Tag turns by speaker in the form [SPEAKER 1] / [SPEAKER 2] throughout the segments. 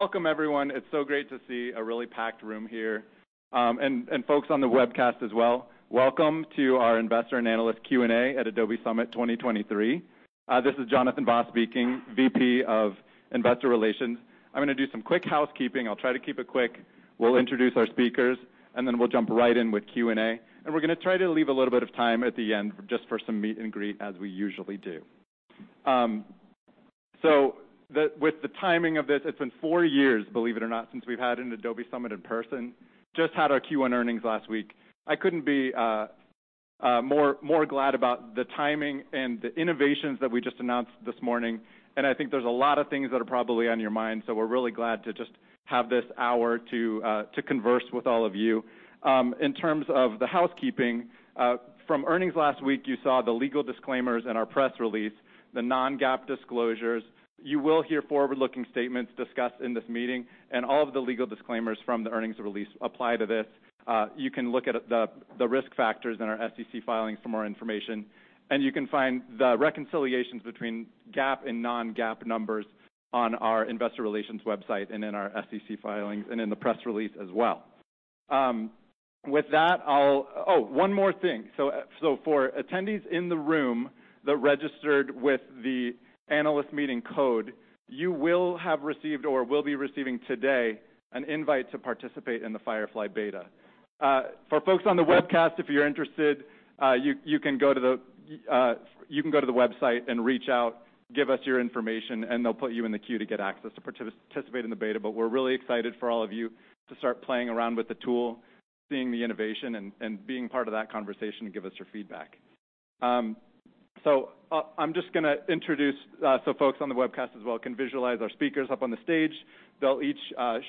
[SPEAKER 1] Welcome, everyone. It's so great to see a really packed room here, and folks on the webcast as well. Welcome to our investor and analyst Q&A at Adobe Summit 2023. This is Jonathan Vaas speaking, VP of Investor Relations. I'm gonna do some quick housekeeping. I'll try to keep it quick. We'll introduce our speakers, then we'll jump right in with Q&A. We're gonna try to leave a little bit of time at the end just for some meet and greet as we usually do. So with the timing of this, it's been four years, believe it or not, since we've had an Adobe Summit in person. Just had our Q1 earnings last week. I couldn't be more glad about the timing and the innovations that we just announced this morning. I think there's a lot of things that are probably on your mind, so we're really glad to just have this hour to converse with all of you. In terms of the housekeeping, from earnings last week, you saw the legal disclaimers in our press release, the non-GAAP disclosures. You will hear forward-looking statements discussed in this meeting, and all of the legal disclaimers from the earnings release apply to this. You can look at the risk factors in our SEC filings for more information, and you can find the reconciliations between GAAP and non-GAAP numbers on our investor relations website and in our SEC filings and in the press release as well. With that I'll. Oh, one more thing. For attendees in the room that registered with the analyst meeting code, you will have received or will be receiving today an invite to participate in the Firefly beta. For folks on the webcast, if you're interested, you can go to the website and reach out, give us your information, and they'll put you in the queue to get access to participate in the beta. We're really excited for all of you to start playing around with the tool, seeing the innovation and being part of that conversation and give us your feedback. I'm just gonna introduce so folks on the webcast as well can visualize our speakers up on the stage. They'll each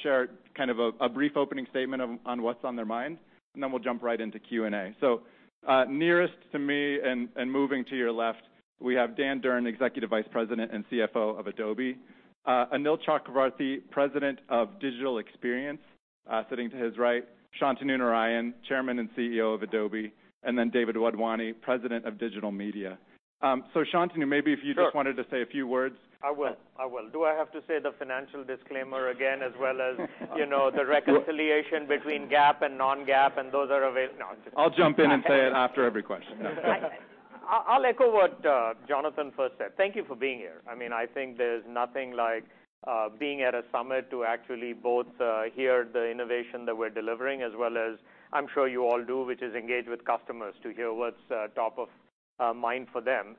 [SPEAKER 1] share kind of a brief opening statement of on what's on their mind, and then we'll jump right into Q&A. Nearest to me and moving to your left, we have Dan Durn, Executive Vice President and CFO of Adobe. Anil Chakravarthy, President of Digital Experience, sitting to his right. Shantanu Narayen, Chairman and CEO of Adobe, and then David Wadhwani, President of Digital Media. Shantanu, maybe if you just
[SPEAKER 2] Sure.
[SPEAKER 1] wanted to say a few words.
[SPEAKER 2] I will. Do I have to say the financial disclaimer again as well as, you know, the reconciliation between GAAP and non-GAAP? No, I'm just kidding.
[SPEAKER 1] I'll jump in and say it after every question.
[SPEAKER 2] I'll echo what Jonathan first said. Thank you for being here. I mean, I think there's nothing like being at a summit to actually both hear the innovation that we're delivering as well as I'm sure you all do, which is engage with customers to hear what's top of mind for them.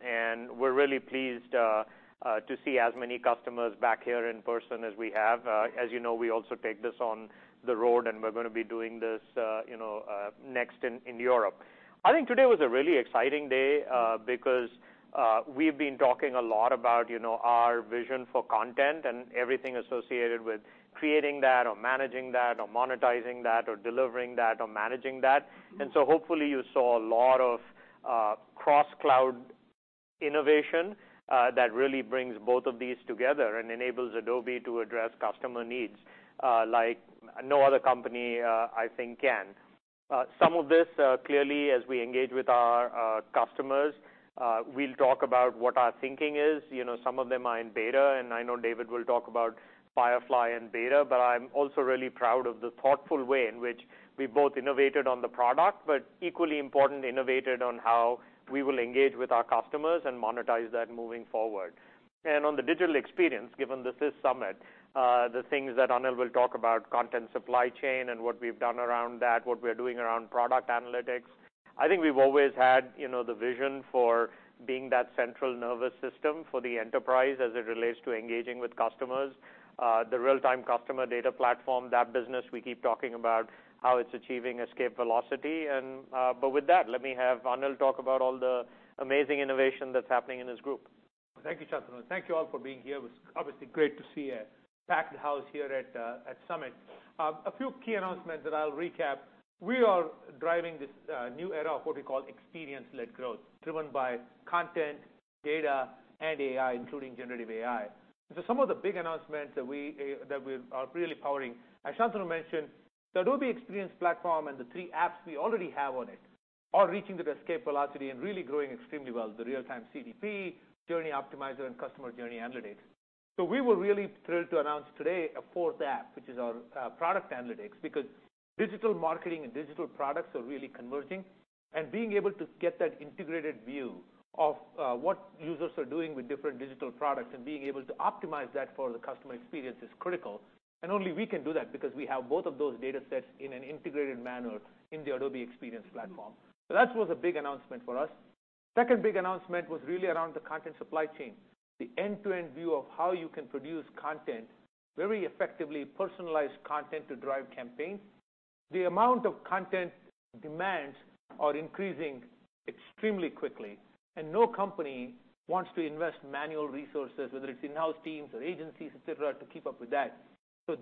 [SPEAKER 2] We're really pleased to see as many customers back here in person as we have. As you know, we also take this on the road, and we're gonna be doing this, you know, next in Europe. I think today was a really exciting day because we've been talking a lot about, you know, our vision for content and everything associated with creating that or managing that or monetizing that or delivering that or managing that. Hopefully you saw a lot of cross-cloud innovation that really brings both of these together and enables Adobe to address customer needs like no other company I think can. Some of this, clearly as we engage with our customers, we'll talk about what our thinking is. You know, some of them are in beta, and I know David will talk about Firefly and beta, but I'm also really proud of the thoughtful way in which we both innovated on the product, but equally important, innovated on how we will engage with our customers and monetize that moving forward. On the digital experience, given this is Summit, the things that Anil will talk about, content supply chain and what we've done around that, what we're doing around product analytics. I think we've always had, you know, the vision for being that central nervous system for the enterprise as it relates to engaging with customers. The Real-Time Customer Data Platform, that business we keep talking about how it's achieving escape velocity. With that, let me have Anil talk about all the amazing innovation that's happening in his group.
[SPEAKER 3] Thank you, Shantanu. Thank you all for being here. It was obviously great to see a packed house here at Summit. A few key announcements that I'll recap. We are driving this new era of what we call experience-led growth, driven by content, data, and AI, including generative AI. Some of the big announcements that we are really powering. As Shantanu mentioned, the Adobe Experience Platform and the three apps we already have on it are reaching their escape velocity and really growing extremely well, the Real-Time CDP, Journey Optimizer, and Customer Journey Analytics. We were really thrilled to announce today a fourth app, which is our Product Analytics, because digital marketing and digital products are really converging. Being able to get that integrated view of what users are doing with different digital products and being able to optimize that for the customer experience is critical. Only we can do that because we have both of those datasets in an integrated manner in the Adobe Experience Platform. That was a big announcement for us. Second big announcement was really around the content supply chain, the end-to-end view of how you can produce content, very effectively personalized content to drive campaigns. The amount of content demands are increasing extremely quickly, and no company wants to invest manual resources, whether it's in-house teams or agencies, et cetera, to keep up with that.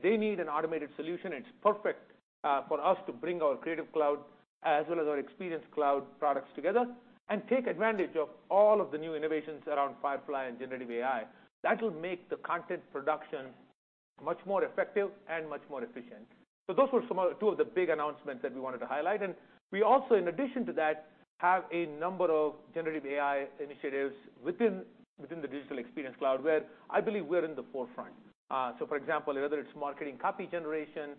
[SPEAKER 3] They need an automated solution. It's perfect for us to bring our Creative Cloud as well as our Experience Cloud products together and take advantage of all of the new innovations around Firefly and generative AI. That will make the content production much more effective. Much more efficient. Those were two of the big announcements that we wanted to highlight. We also, in addition to that, have a number of generative AI initiatives within the Digital Experience Cloud, where I believe we're in the forefront. For example, whether it's marketing copy generation,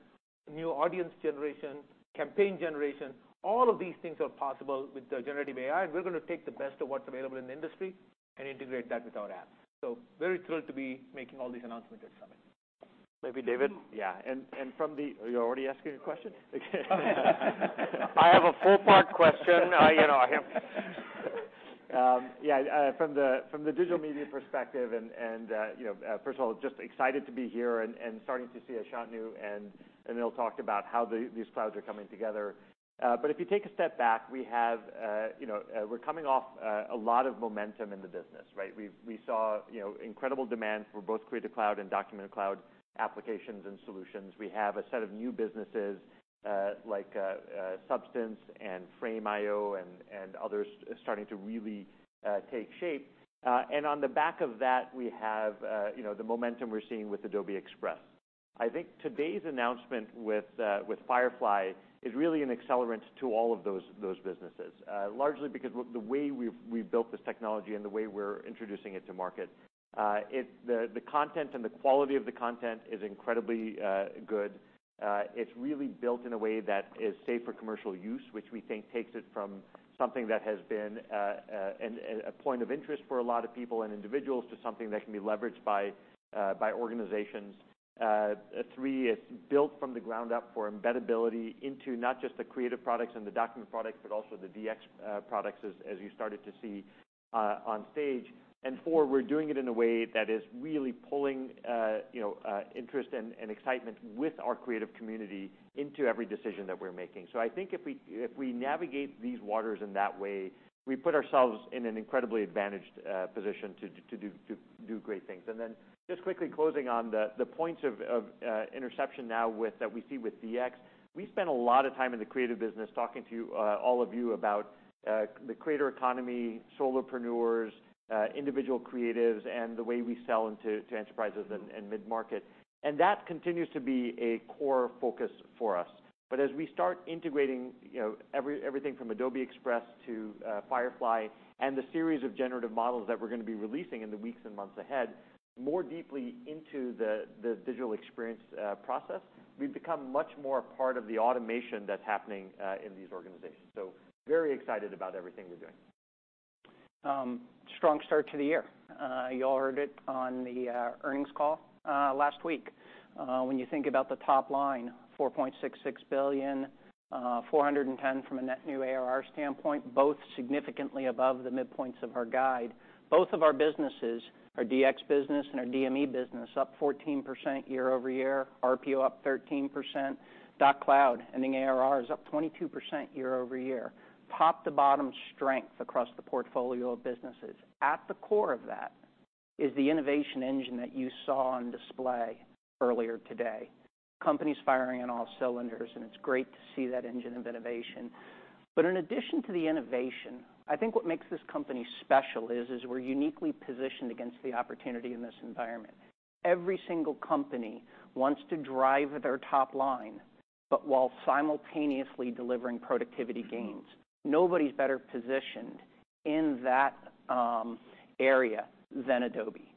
[SPEAKER 3] new audience generation, campaign generation, all of these things are possible with the generative AI. We're going to take the best of what's available in the industry and integrate that with our apps. Very thrilled to be making all these announcements at Summit.
[SPEAKER 1] Maybe David?
[SPEAKER 4] Yeah.
[SPEAKER 1] Are you already asking a question?
[SPEAKER 4] I have a four-part question. you know, I have. From the Digital Media perspective, and you know, first of all, just excited to be here and starting to see Ashanu and Neil talk about how these clouds are coming together. But if you take a step back, we have, you know, we're coming off a lot of momentum in the business, right? We saw, you know, incredible demand for both Creative Cloud and Document Cloud applications and solutions. We have a set of new businesses, like Substance and Frame.io and others starting to really take shape. On the back of that, we have, you know, the momentum we're seeing with Adobe Express. I think today's announcement with Firefly is really an accelerant to all of those businesses, largely because the way we've built this technology and the way we're introducing it to market. The content and the quality of the content is incredibly good. It's really built in a way that is safe for commercial use, which we think takes it from something that has been a point of interest for a lot of people and individuals to something that can be leveraged by organizations. Three, it's built from the ground up for embeddability into not just the creative products and the document products, but also the DX products, as you started to see on stage. Four, we're doing it in a way that is really pulling, you know, interest and excitement with our creative community into every decision that we're making. I think if we navigate these waters in that way, we put ourselves in an incredibly advantaged position to do great things. Then just quickly closing on the points of interception that we see with DX. We spend a lot of time in the creative business talking to all of you about the creator economy, solopreneurs, individual creatives, and the way we sell into enterprises and mid-market. That continues to be a core focus for us. As we start integrating, you know, everything from Adobe Express to Firefly and the series of generative models that we're going to be releasing in the weeks and months ahead, more deeply into the digital experience process, we become much more a part of the automation that's happening in these organizations. Very excited about everything we're doing.
[SPEAKER 5] Strong start to the year. You all heard it on the earnings call last week. When you think about the top line, $4.66 billion, $410 million from a net new ARR standpoint, both significantly above the midpoints of our guide. Both of our businesses, our DX business and our DME business, up 14% year-over-year. RPO up 13%. Document Cloud, ending ARR, is up 22% year-over-year. Top-to-bottom strength across the portfolio of businesses. At the core of that is the innovation engine that you saw on display earlier today. Company's firing on all cylinders, it's great to see that engine of innovation. In addition to the innovation, I think what makes this company special is we're uniquely positioned against the opportunity in this environment. Every single company wants to drive their top line, but while simultaneously delivering productivity gains. Nobody's better positioned in that area than Adobe.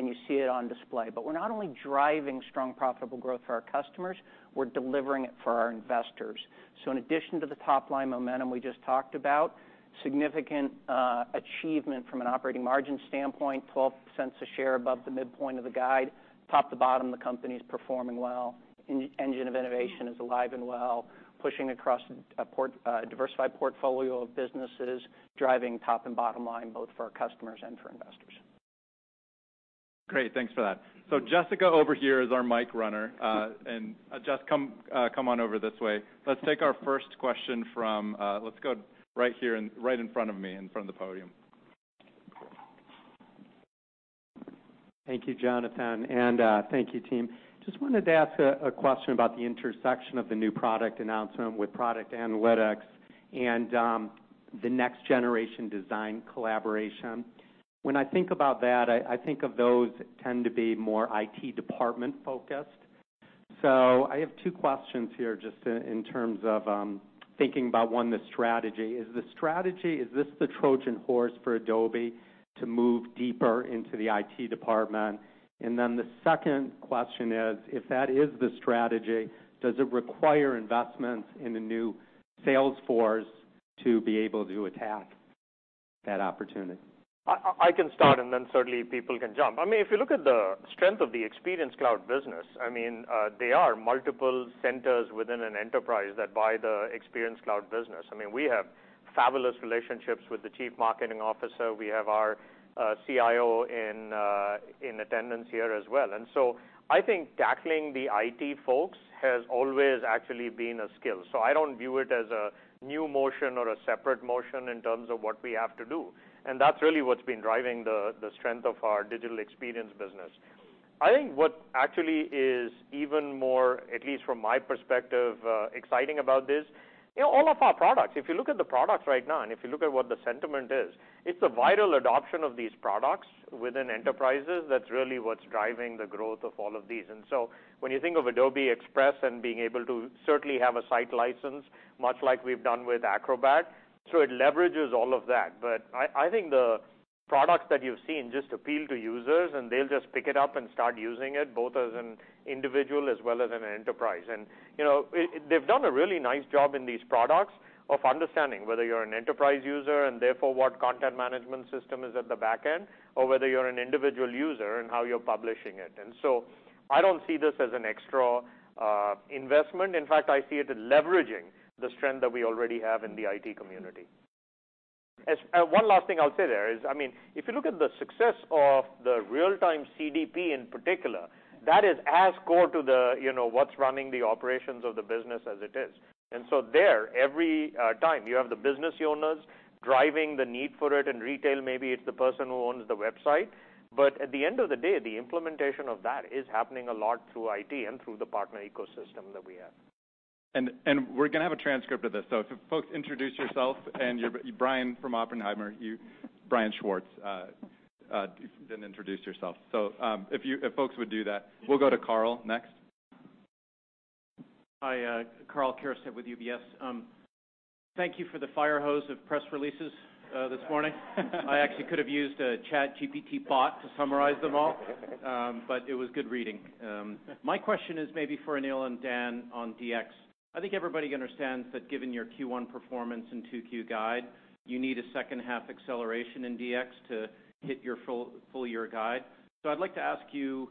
[SPEAKER 5] You see it on display. We're not only driving strong profitable growth for our customers, we're delivering it for our investors. In addition to the top-line momentum we just talked about, significant achievement from an operating margin standpoint, $0.12 a share above the midpoint of the guide. Top to bottom, the company is performing well. Engine of innovation is alive and well, pushing across a diversified portfolio of businesses, driving top and bottom line, both for our customers and for investors.
[SPEAKER 1] Great. Thanks for that. Jessica over here is our mic runner. Jess, come on over this way. Let's take our first question from, let's go right here in front of me, in front of the podium.
[SPEAKER 6] Thank you, Jonathan. Thank you, team. Just wanted to ask a question about the intersection of the new product announcement with Product Analytics and the next generation design collaboration. When I think about that, I think of those tend to be more IT department-focused. I have two questions here just in terms of thinking about one, the strategy. Is this the Trojan horse for Adobe to move deeper into the IT department? The second question is, if that is the strategy, does it require investments in the new sales force to be able to attack that opportunity?
[SPEAKER 2] I can start then certainly people can jump. I mean, if you look at the strength of the Experience Cloud business, I mean, there are multiple centers within an enterprise that buy the Experience Cloud business. I mean, we have fabulous relationships with the chief marketing officer. We have our CIO in attendance here as well. So I think tackling the IT folks has always actually been a skill. I don't view it as a new motion or a separate motion in terms of what we have to do. That's really what's been driving the strength of our Digital Experience business. I think what actually is even more, at least from my perspective, exciting about this, you know, all of our products. If you look at the products right now, if you look at what the sentiment is, it's the viral adoption of these products within enterprises, that's really what's driving the growth of all of these. When you think of Adobe Express and being able to certainly have a site license, much like we've done with Acrobat, so it leverages all of that. I think the products that you've seen just appeal to users, and they'll just pick it up and start using it, both as an individual as well as an enterprise. You know, they've done a really nice job in these products of understanding whether you're an enterprise user, and therefore, what content management system is at the back end, or whether you're an individual user and how you're publishing it. I don't see this as an extra investment. In fact, I see it as leveraging the strength that we already have in the IT community. One last thing I'll say there is, I mean, if you look at the success of the Real-Time CDP in particular, that is as core to the, you know, what's running the operations of the business as it is. There, every time you have the business owners driving the need for it. In retail, maybe it's the person who owns the website. At the end of the day, the implementation of that is happening a lot through IT and through the partner ecosystem that we have.
[SPEAKER 1] We're gonna have a transcript of this, so if folks introduce yourself and Brian from Oppenheimer, you, Brian Schwartz, didn't introduce yourself. If folks would do that, we'll go to Karl next.
[SPEAKER 7] Hi, Karl Keirstead with UBS. Thank you for the fire hose of press releases this morning. I actually could have used a ChatGPT bot to summarize them all, it was good reading. My question is maybe for Anil and Dan on DX. I think everybody understands that given your Q1 performance and 2Q-guide, you need a second-half acceleration in DX to hit your full year guide. I'd like to ask you,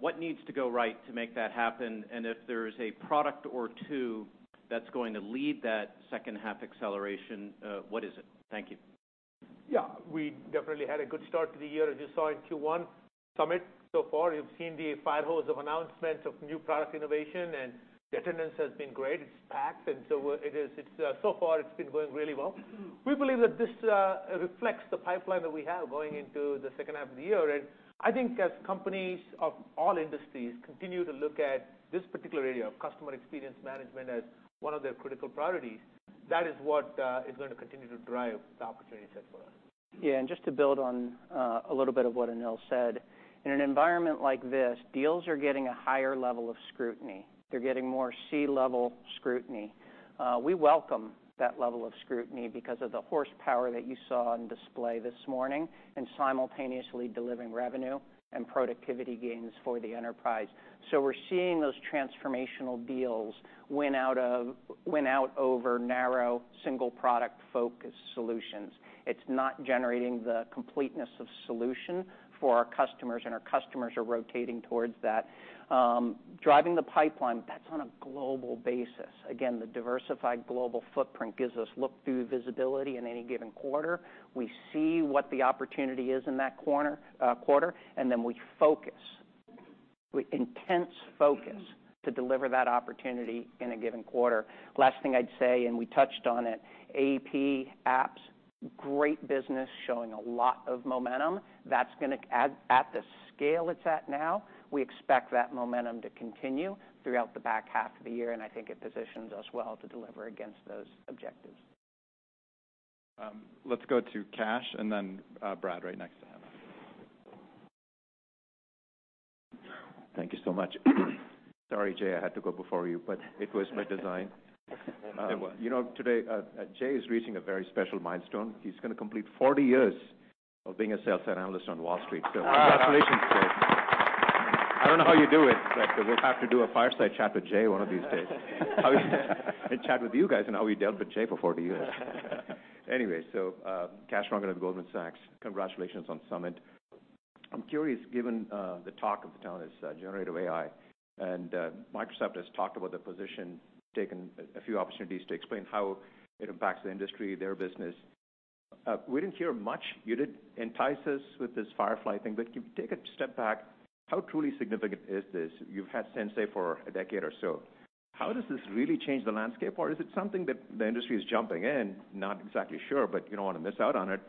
[SPEAKER 7] what needs to go right to make that happen? If there is a product or two that's going to lead that second-half acceleration, what is it? Thank you.
[SPEAKER 3] Yeah. We definitely had a good start to the year, as you saw in Q1 Summit. So far, you've seen the fire hose of announcements of new product innovation. The attendance has been great. It's packed. It is. So far, it's been going really well. We believe that this reflects the pipeline that we have going into the second half of the year. I think as companies of all industries continue to look at this particular area of customer experience management as one of their critical priorities, that is what is going to continue to drive the opportunity set for us.
[SPEAKER 5] Yeah. Just to build on a little bit of what Anil said. In an environment like this, deals are getting a higher level of scrutiny. They're getting more C-level scrutiny. We welcome that level of scrutiny because of the horsepower that you saw on display this morning and simultaneously delivering revenue and productivity gains for the enterprise. We're seeing those transformational deals win out over narrow, single product-focused solutions. It's not generating the completeness of solution for our customers, and our customers are rotating towards that. Driving the pipeline, that's on a global basis. Again, the diversified global footprint gives us look through visibility in any given quarter. We see what the opportunity is in that quarter, and then we focus. We intense focus to deliver that opportunity in a given quarter. Last thing I'd say, we touched on it. Acrobat apps, great business, showing a lot of momentum. That's gonna add. At the scale it's at now, we expect that momentum to continue throughout the back half of the year. I think it positions us well to deliver against those objectives.
[SPEAKER 1] Let's go to Kash and then, Brad right next to him.
[SPEAKER 8] Thank you so much. Sorry, Jay, I had to go before you, but it was my design. You know, today, Jay is reaching a very special milestone. He's gonna complete 40 years of being a sales analyst on Wall Street.
[SPEAKER 2] Wow.
[SPEAKER 8] Congratulations, Jay. I don't know how you do it, but we'll have to do a fireside chat with Jay one of these days. Chat with you guys on how we dealt with Jay for 40 years. Anyway, Kash Rangan of Goldman Sachs, congratulations on Summit. I'm curious, given the talk of the town is generative AI, Microsoft has talked about the position, taken a few opportunities to explain how it impacts the industry, their business. We didn't hear much. You did entice us with this Firefly thing, but take a step back. How truly significant is this? You've had Sensei for a decade or so. How does this really change the landscape, or is it something that the industry is jumping in? Not exactly sure, but you don't want to miss out on it,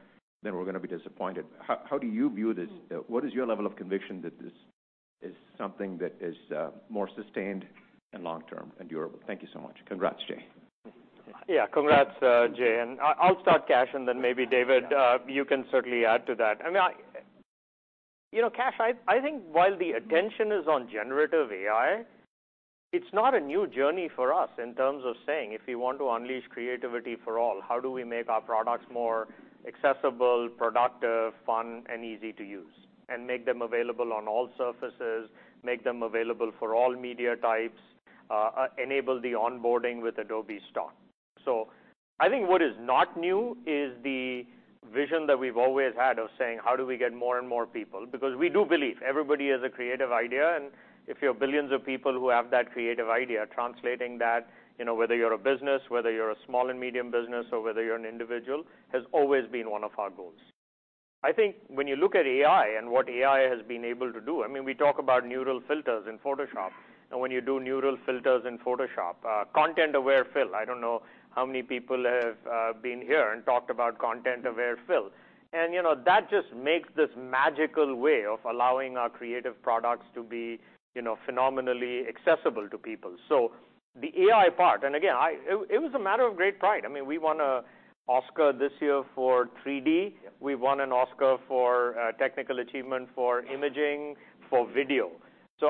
[SPEAKER 8] then we're gonna be disappointed. How do you view this? What is your level of conviction that this is something that is more sustained and long-term, and durable? Thank you so much. Congrats, Jay.
[SPEAKER 2] Congrats, Jay. I'll start, Kash, and then maybe David, you can certainly add to that. I mean, you know, Kash, I think while the attention is on generative AI, it's not a new journey for us in terms of saying, if we want to unleash creativity for all, how do we make our products more accessible, productive, fun, and easy to use and make them available on all surfaces, make them available for all media types, enable the onboarding with Adobe Stock. I think what is not new is the vision that we've always had of saying, how do we get more and more people? We do believe everybody has a creative idea, and if you have billions of people who have that creative idea, translating that, you know, whether you're a business, whether you're a small and medium business, or whether you're an individual, has always been one of our goals. I think when you look at AI and what AI has been able to do, I mean, we talk about Neural Filters in Photoshop, and when you do Neural Filters in Photoshop, Content-Aware Fill. I don't know how many people have been here and talked about Content-Aware Fill. You know, that just makes this magical way of allowing our creative products to be, you know, phenomenally accessible to people. The AI part, and again, it was a matter of great pride. I mean, we won an Oscar this year for 3D. We won an Oscar for technical achievement for imaging, for video.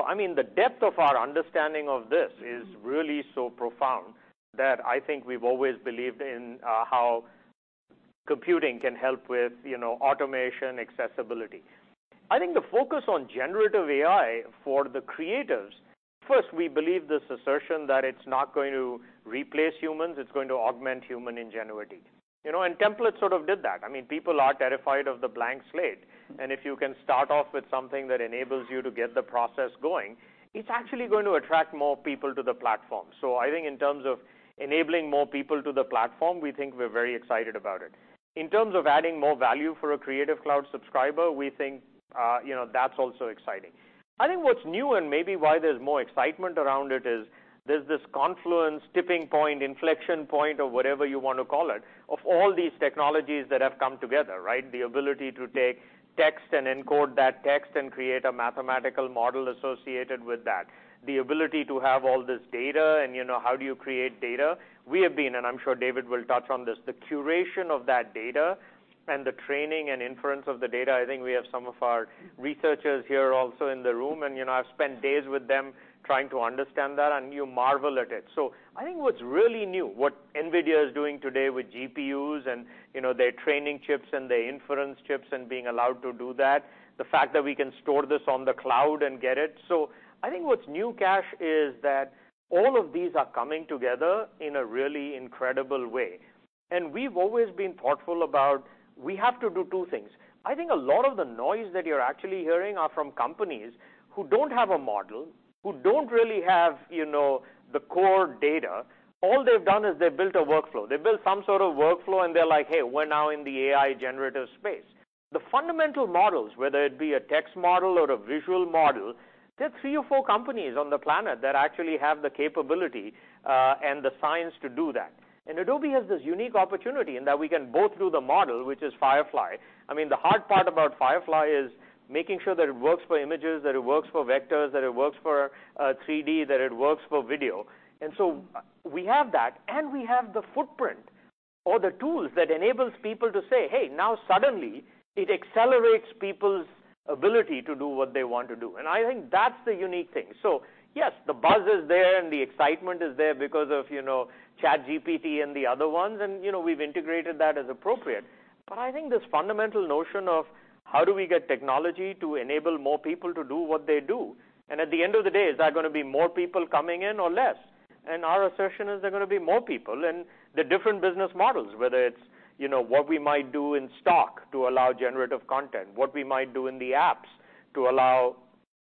[SPEAKER 2] I mean, the depth of our understanding of this is really so profound that I think we've always believed in how computing can help with, you know, automation, accessibility. I think the focus on generative AI for the creators, first, we believe this assertion that it's not going to replace humans, it's going to augment human ingenuity. You know, templates sort of did that. I mean, people are terrified of the blank slate, and if you can start off with something that enables you to get the process going, it's actually going to attract more people to the platform. I think in terms of enabling more people to the platform, we think we're very excited about it. In terms of adding more value for a Creative Cloud subscriber, we think, you know, that's also exciting. I think what's new and maybe why there's more excitement around it is there's this confluence, tipping point, inflection point, or whatever you want to call it, of all these technologies that have come together, right? The ability to take text and encode that text and create a mathematical model associated with that. The ability to have all this data and, you know, how do you create data? We have been, and I'm sure David will touch on this, the curation of that data and the training and inference of the data, I think we have some of our researchers here also in the room, and, you know, I've spent days with them trying to understand that, and you marvel at it. I think what's really new, what NVIDIA is doing today with GPUs and, you know, their training chips and their inference chips and being allowed to do that, the fact that we can store this on the cloud and get it. I think what's new, Kash, is that all of these are coming together in a really incredible way. We've always been thoughtful about we have to do two things. I think a lot of the noise that you're actually hearing are from companies who don't have a model, who don't really have, you know, the core data. All they've done is they built a workflow. They built some sort of workflow, and they're like, "Hey, we're now in the AI generative space." The fundamental models, whether it be a text model or a visual model, there are three or four companies on the planet that actually have the capability and the science to do that. Adobe has this unique opportunity in that we can both do the model, which is Firefly. I mean, the hard part about Firefly is making sure that it works for images, that it works for vectors, that it works for 3D, that it works for video. We have that, and we have the footprint or the tools that enables people to say, "Hey," now suddenly it accelerates people's ability to do what they want to do. I think that's the unique thing. Yes, the buzz is there and the excitement is there because of, you know, ChatGPT and the other ones, and, you know, we've integrated that as appropriate. I think this fundamental notion of how do we get technology to enable more people to do what they do? At the end of the day, is that gonna be more people coming in or less? Our assertion is there are gonna be more people, and they're different business models, whether it's, you know, what we might do in stock to allow generative content, what we might do in the apps to allow,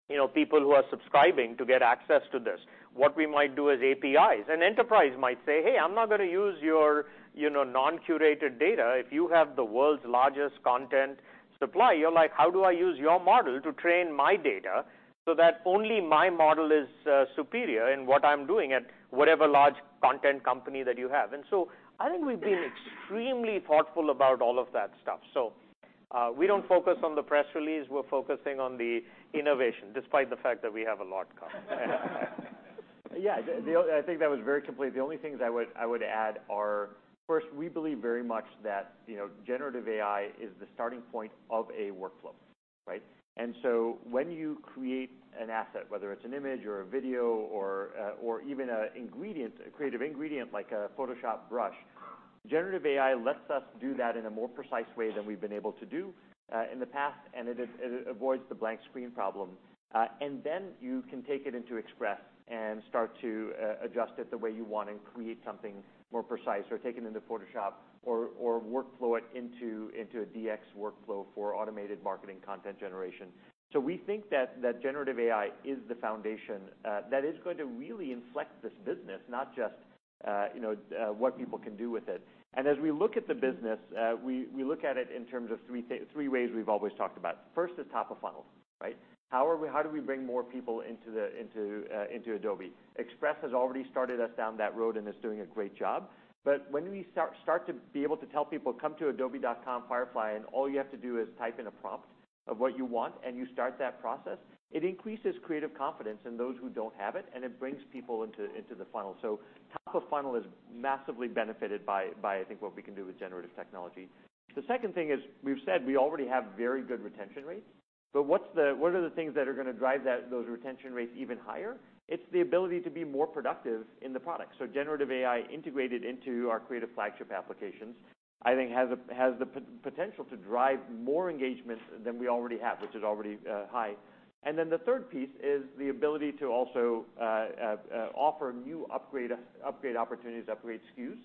[SPEAKER 2] you know, people who are subscribing to get access to this, what we might do as APIs. An enterprise might say, "Hey, I'm not gonna use your, you know, non-curated data." If you have the world's largest content supply, you're like, "How do I use your model to train my data so that only my model is superior in what I'm doing at whatever large content company that you have?" I think we've been extremely thoughtful about all of that stuff. We don't focus on the press release. We're focusing on the innovation, despite the fact that we have a lot coming.
[SPEAKER 4] Yeah. I think that was very complete. The only things I would add are, first, we believe very much that, you know, generative AI is the starting point of a workflow, right? When you create an asset, whether it's an image or a video or even a ingredient, a creative ingredient like a Photoshop brush, generative AI lets us do that in a more precise way than we've been able to do in the past, and it avoids the blank screen problem. You can take it into Express and start to adjust it the way you want and create something more precise, or take it into Photoshop or workflow it into a DX workflow for automated marketing content generation. We think that generative AI is the foundation that is going to really inflect this business, not just, you know, what people can do with it. As we look at the business, we look at it in terms of three things, three ways we've always talked about. First is top of funnel, right? How do we bring more people into Adobe? Express has already started us down that road and is doing a great job. When we start to be able to tell people, "Come to adobe.com/firefly," and all you have to do is type in a prompt of what you want and you start that process, it increases creative confidence in those who don't have it, and it brings people into the funnel. Top of funnel is massively benefited by I think what we can do with generative technology. The second thing is we've said we already have very good retention rates, but what are the things that are gonna drive that, those retention rates even higher? It's the ability to be more productive in the product. generative AI integrated into our creative flagship applications, I think has the potential to drive more engagement than we already have, which is already high. The third piece is the ability to also offer new upgrade opportunities, upgrade SKUs,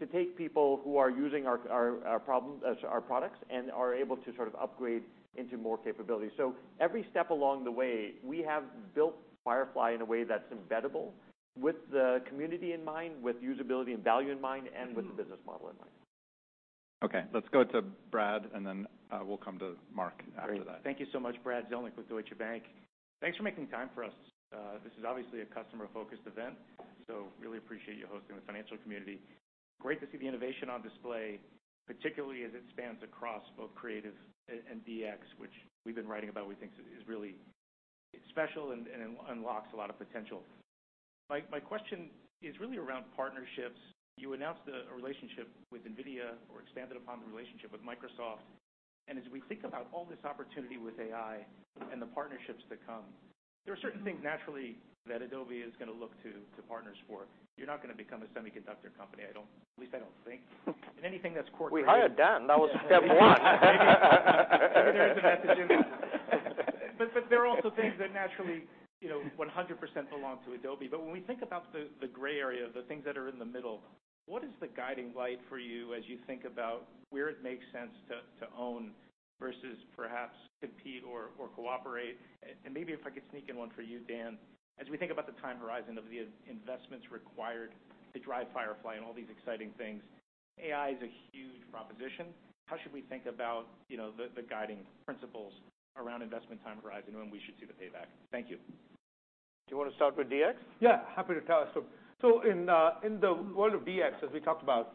[SPEAKER 4] to take people who are using our products and are able to sort of upgrade into more capabilities. Every step along the way, we have built Firefly in a way that's embeddable with the community in mind, with usability and value in mind, and with the business model in mind.
[SPEAKER 1] Okay, let's go to Brad, and then, we'll come to Mark after that.
[SPEAKER 9] Great. Thank you so much. Brad Zelnick with Deutsche Bank. Thanks for making time for us. This is obviously a customer-focused event, so really appreciate you hosting the financial community. Great to see the innovation on display, particularly as it spans across both creative and DX, which we've been writing about, we think is really. Special and unlocks a lot of potential. My question is really around partnerships. You announced a relationship with NVIDIA or expanded upon the relationship with Microsoft. As we think about all this opportunity with AI and the partnerships to come, there are certain things naturally that Adobe is going to look to partners for. You're not going to become a semiconductor company. I don't at least I don't think. Anything that's core
[SPEAKER 4] We hired Dan, that was step one. Maybe there is a message in that. But there are also things that naturally, you know, 100% belong to Adobe. When we think about the gray area, the things that are in the middle, what is the guiding light for you as you think about where it makes sense to own versus perhaps compete or cooperate? Maybe if I could sneak in one for you, Dan. As we think about the time horizon of the investments required to drive Firefly and all these exciting things, AI is a huge proposition. How should we think about, you know, the guiding principles around investment time horizon and when we should see the payback? Thank you.
[SPEAKER 1] Do you want to start with DX?
[SPEAKER 2] Happy to tell. In the world of DX, as we talked about,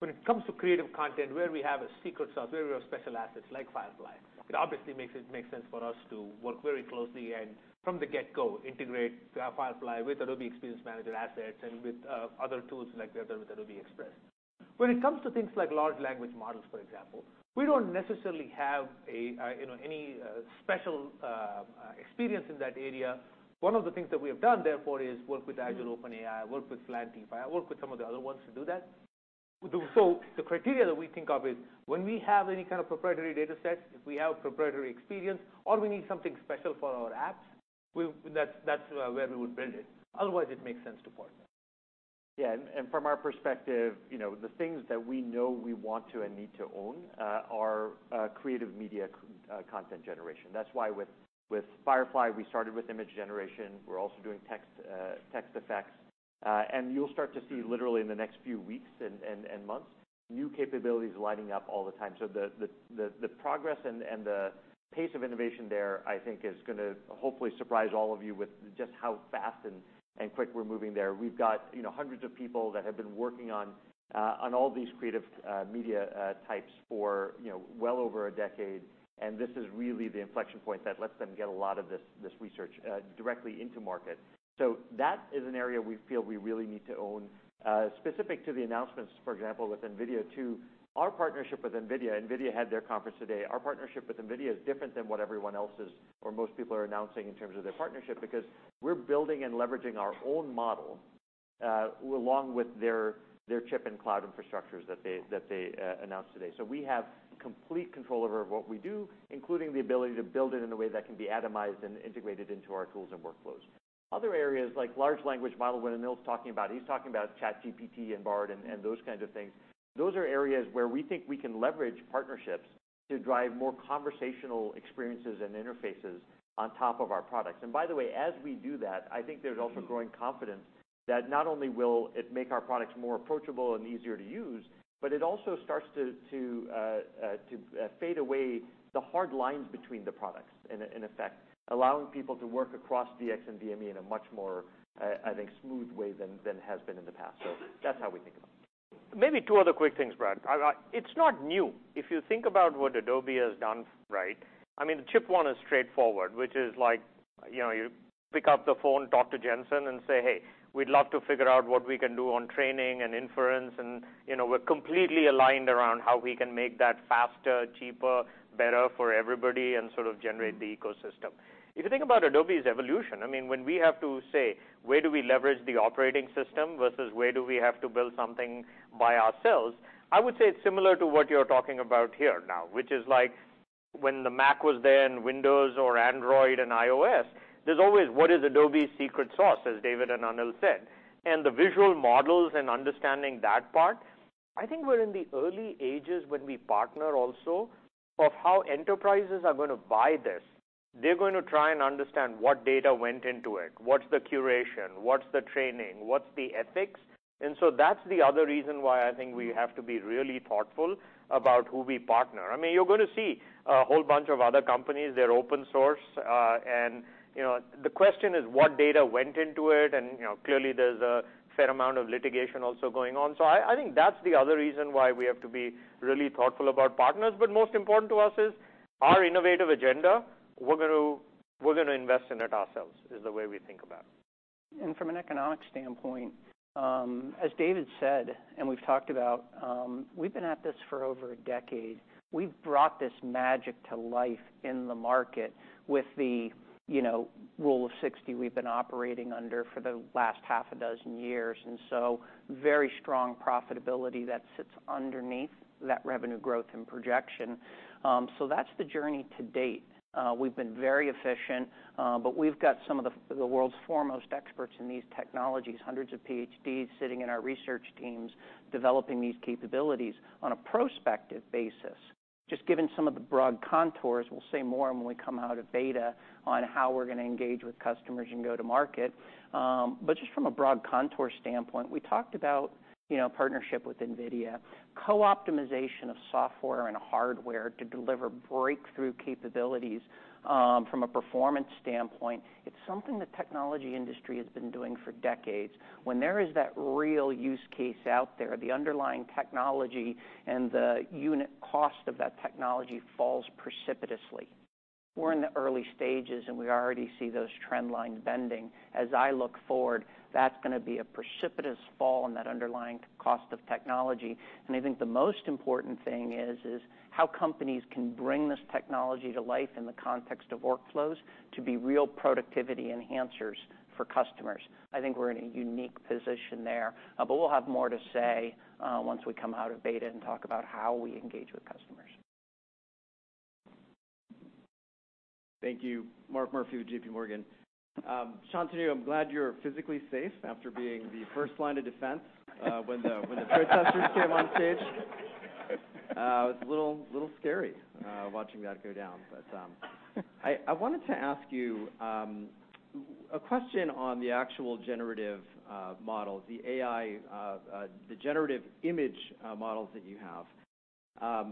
[SPEAKER 2] when it comes to creative content, where we have a secret sauce, where we have special assets like Firefly, it obviously makes it make sense for us to work very closely, and from the get-go, integrate Firefly with Adobe Experience Manager assets and with other tools like the other with Adobe Express. When it comes to things like large language models, for example, we don't necessarily have a, you know, any special experience in that area. One of the things that we have done, therefore, is work with Azure OpenAI, work with LangChain, work with some of the other ones to do that. The criteria that we think of is when we have any kind of proprietary data set, if we have proprietary experience or we need something special for our apps, that's where we would build it. Otherwise, it makes sense to partner.
[SPEAKER 4] Yeah. From our perspective, you know, the things that we know we want to and need to own are creative media content generation. That's why with Firefly, we started with image generation. We're also doing text effects. You'll start to see literally in the next few weeks and months, new capabilities lighting up all the time. The progress and the pace of innovation there, I think is gonna hopefully surprise all of you with just how fast and quick we're moving there. We've got, you know, hundreds of people that have been working on all these creative media types for, you know, well over a decade, and this is really the inflection point that lets them get a lot of this research directly into market. That is an area we feel we really need to own. Specific to the announcements, for example, with NVIDIA too, our partnership with NVIDIA had their conference today. Our partnership with NVIDIA is different than what everyone else is, or most people are announcing in terms of their partnership, because we're building and leveraging our own model along with their chip and cloud infrastructures that they, that they announced today. We have complete control over what we do, including the ability to build it in a way that can be atomized and integrated into our tools and workflows. Other areas like large language model, when Anil's talking about, he's talking about ChatGPT and Bard and those kinds of things. Those are areas where we think we can leverage partnerships to drive more conversational experiences and interfaces on top of our products. By the way, as we do that, I think there's also growing confidence that not only will it make our products more approachable and easier to use, but it also starts to fade away the hard lines between the products in effect, allowing people to work across DX and VME in a much more, I think, smooth way than it has been in the past. That's how we think about it.
[SPEAKER 2] Maybe two other quick things, Brad. It's not new. If you think about what Adobe has done, right? I mean, the chip one is straightforward, which is like, you know, you pick up the phone, talk to Jensen, and say, "Hey, we'd love to figure out what we can do on training and inference," and, you know, we're completely aligned around how we can make that faster, cheaper, better for everybody and sort of generate the ecosystem. If you think about Adobe's evolution, I mean, when we have to say, where do we leverage the operating system versus where do we have to build something by ourselves, I would say it's similar to what you're talking about here now, which is like when the Mac was there and Windows or Android and iOS, there's always what is Adobe's secret sauce, as David and Anil said. The visual models and understanding that part, I think we're in the early ages when we partner also of how enterprises are going to buy this. They're going to try and understand what data went into it, what's the curation, what's the training, what's the ethics. That's the other reason why I think we have to be really thoughtful about who we partner. I mean, you're going to see a whole bunch of other companies, they're open source. You know, the question is, what data went into it? You know, clearly there's a fair amount of litigation also going on. I think that's the other reason why we have to be really thoughtful about partners. Most important to us is our innovative agenda. We're going to invest in it ourselves, is the way we think about it.
[SPEAKER 5] From an economic standpoint, as David said, and we've talked about, we've been at this for over a decade. We've brought this magic to life in the market with the, you know, rule of 60 we've been operating under for the last six years. Very strong profitability that sits underneath that revenue growth and projection. That's the journey to date. We've been very efficient, but we've got some of the world's foremost experts in these technologies, hundreds of PhDs sitting in our research teams developing these capabilities on a prospective basis. Given some of the broad contours, we'll say more when we come out of beta on how we're going to engage with customers and go to market. Just from a broad contour standpoint, we talked about, you know, partnership with NVIDIA, co-optimization of software and hardware to deliver breakthrough capabilities, from a performance standpoint. It's something the technology industry has been doing for decades. When there is that real use case out there, the underlying technology and the unit cost of that technology falls precipitously. We're in the early stages, and we already see those trend lines bending. As I look forward, that's gonna be a precipitous fall in that underlying cost of technology. I think the most important thing is how companies can bring this technology to life in the context of workflows to be real productivity enhancers for customers. I think we're in a unique position there. We'll have more to say, once we come out of beta and talk about how we engage with customers.
[SPEAKER 10] Thank you. Mark Murphy with JPMorgan. Shantanu, I'm glad you're physically safe after being the first line of defense, when the protesters came on stage. It was a little scary watching that go down. I wanted to ask you a question on the actual generative models, the AI, the generative image models that you have.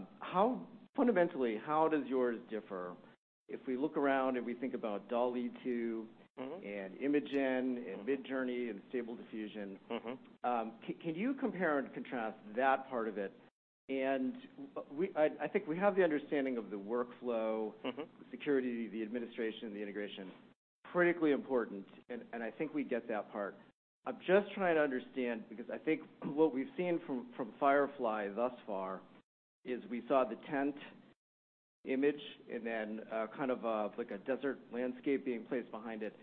[SPEAKER 10] Fundamentally, how does yours differ? If we look around and we think about DALL·E two
[SPEAKER 2] Mm-hmm
[SPEAKER 10] and Imagen
[SPEAKER 2] Mm-hmm
[SPEAKER 10] and Midjourney, and Stable Diffusion.
[SPEAKER 2] Mm-hmm.
[SPEAKER 10] Can you compare and contrast that part of it? I think we have the understanding of the workflow...
[SPEAKER 2] Mm-hmm
[SPEAKER 10] the security, the administration, the integration. Critically important, and I think we get that part. I'm just trying to understand, because I think what we've seen from Firefly thus far is we saw the tent image and then, kind of a, like a desert landscape being placed behind it.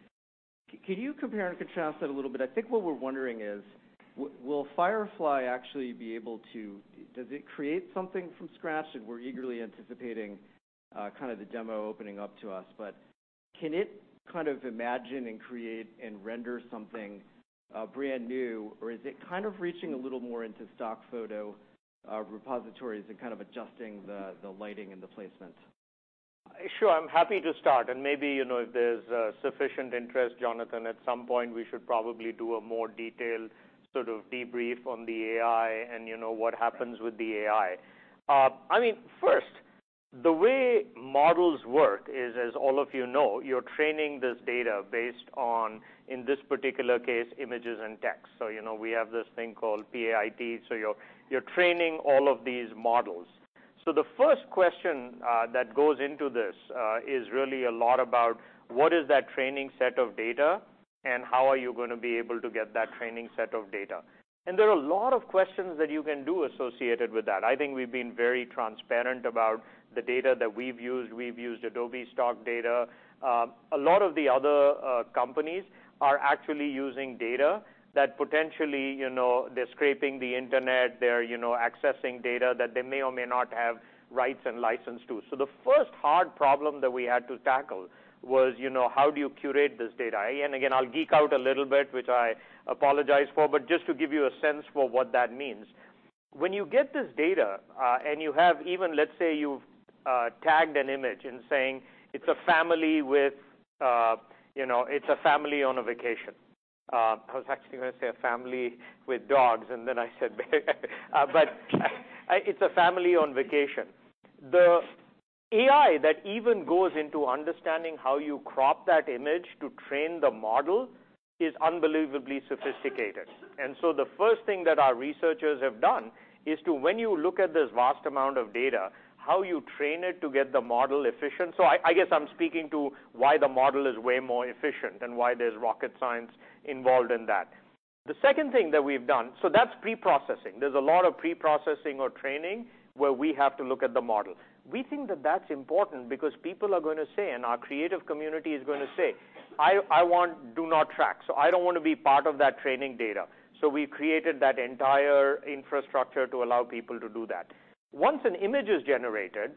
[SPEAKER 10] Could you compare and contrast that a little bit? I think what we're wondering is will Firefly actually be able to... Does it create something from scratch? We're eagerly anticipating, kind of the demo opening up to us. Can it kind of imagine and create and render something, brand new, or is it kind of reaching a little more into stock photo, repositories and kind of adjusting the lighting and the placement?
[SPEAKER 2] Sure. I'm happy to start. Maybe, you know, if there's sufficient interest, Jonathan, at some point, we should probably do a more detailed sort of debrief on the AI and, you know, what happens with the AI. I mean, first, the way models work is, as all of you know, you're training this data based on, in this particular case, images and text. You know, we have this thing called PAIT. You're training all of these models. The first question that goes into this is really a lot about what is that training set of data, and how are you gonna be able to get that training set of data? There are a lot of questions that you can do associated with that. I think we've been very transparent about the data that we've used. We've used Adobe Stock data. A lot of the other companies are actually using data that potentially, you know, they're scraping the internet. They're, you know, accessing data that they may or may not have rights and license to. The first hard problem that we had to tackle was, you know, how do you curate this data? Again, I'll geek out a little bit, which I apologize for, but just to give you a sense for what that means. When you get this data, and you have even, let's say, you've tagged an image and saying it's a family with, you know, it's a family on a vacation. I was actually gonna say a family with dogs, and then I said vac- but it's a family on vacation. The AI that even goes into understanding how you crop that image to train the model is unbelievably sophisticated. The first thing that our researchers have done is to, when you look at this vast amount of data, how you train it to get the model efficient. I guess I'm speaking to why the model is way more efficient and why there's rocket science involved in that. The second thing that we've done. That's pre-processing. There's a lot of pre-processing or training where we have to look at the model. We think that that's important because people are gonna say, and our creative community is gonna say, "I want do not track, so I don't wanna be part of that training data." We created that entire infrastructure to allow people to do that. Once an image is generated,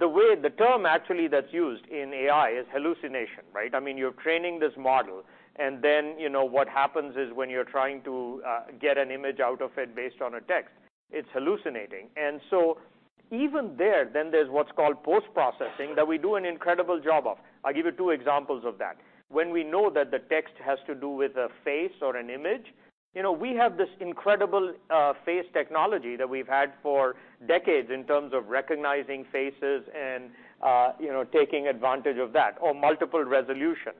[SPEAKER 2] the way the term actually that's used in AI is hallucination. I mean, you're training this model, and then, you know, what happens is when you're trying to get an image out of it based on a text, it's hallucinating. Even there, then there's what's called post-processing that we do an incredible job of. I'll give you two examples of that. When we know that the text has to do with a face or an image, you know, we have this incredible face technology that we've had for decades in terms of recognizing faces and, you know, taking advantage of that, or multiple resolutions.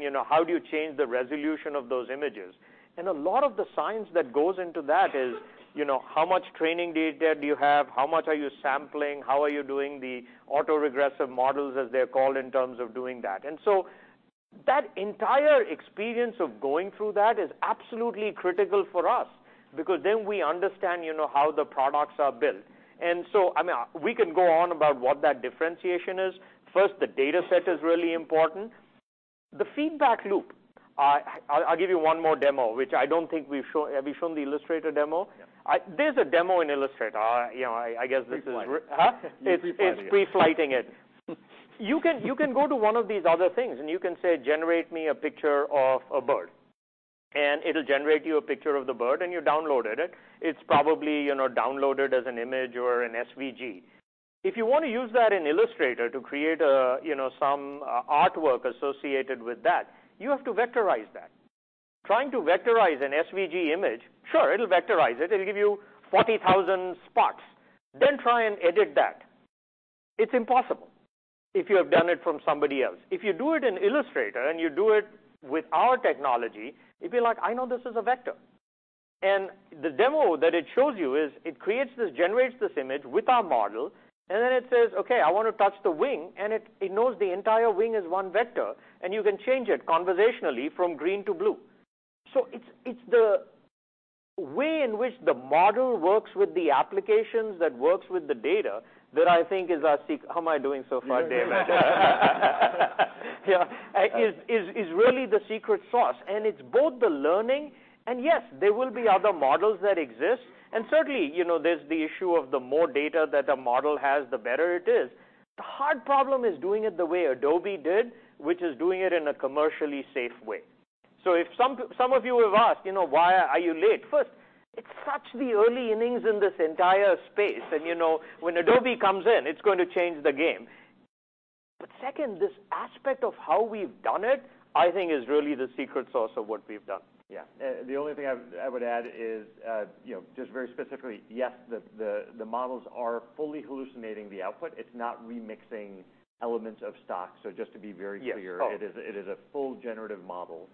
[SPEAKER 2] You know, how do you change the resolution of those images? A lot of the science that goes into that is, you know, how much training data do you have? How much are you sampling? How are you doing the autoregressive models, as they're called, in terms of doing that? That entire experience of going through that is absolutely critical for us because then we understand, you know, how the products are built. I mean, we can go on about what that differentiation is. First, the data set is really important. The feedback loop. I'll give you one more demo, which I don't think we've shown. Have we shown the Illustrator demo?
[SPEAKER 5] Yeah.
[SPEAKER 2] There's a demo in Illustrator. you know, I guess.
[SPEAKER 5] Preflight.
[SPEAKER 2] Huh?
[SPEAKER 5] We preflighted it.
[SPEAKER 2] It's preflighting it. You can go to one of these other things, you can say, "Generate me a picture of a bird," and it'll generate you a picture of the bird, and you download it, right? It's probably, you know, downloaded as an image or an SVG. If you wanna use that in Illustrator to create, you know, some artwork associated with that, you have to vectorize that. Trying to vectorize an SVG image, sure, it'll vectorize it. It'll give you 40,000 spots. Try and edit that. It's impossible if you have done it from somebody else. If you do it in Illustrator, and you do it with our technology, you'd be like, "I know this is a vector." The demo that it shows you is it creates this, generates this image with our model, and then it says, "Okay, I want to touch the wing," and it knows the entire wing is one vector, and you can change it conversationally from green to blue. It's the way in which the model works with the applications that works with the data that I think is our how am I doing so far, Dave?
[SPEAKER 4] You're doing great.
[SPEAKER 2] Yeah. Is really the secret sauce, it's both the learning and yes, there will be other models that exist. Certainly, you know, there's the issue of the more data that a model has, the better it is. The hard problem is doing it the way Adobe did, which is doing it in a commercially safe way. If some of you have asked, you know, why are you late? First, it's such the early innings in this entire space, you know, when Adobe comes in, it's going to change the game. Second, this aspect of how we've done it, I think is really the secret sauce of what we've done.
[SPEAKER 4] Yeah. The only thing I would add is, you know, just very specifically, yes, the models are fully hallucinating the output. It's not remixing elements of stock. Just to be very clear.
[SPEAKER 2] Yes. Oh
[SPEAKER 4] it is a full generative model.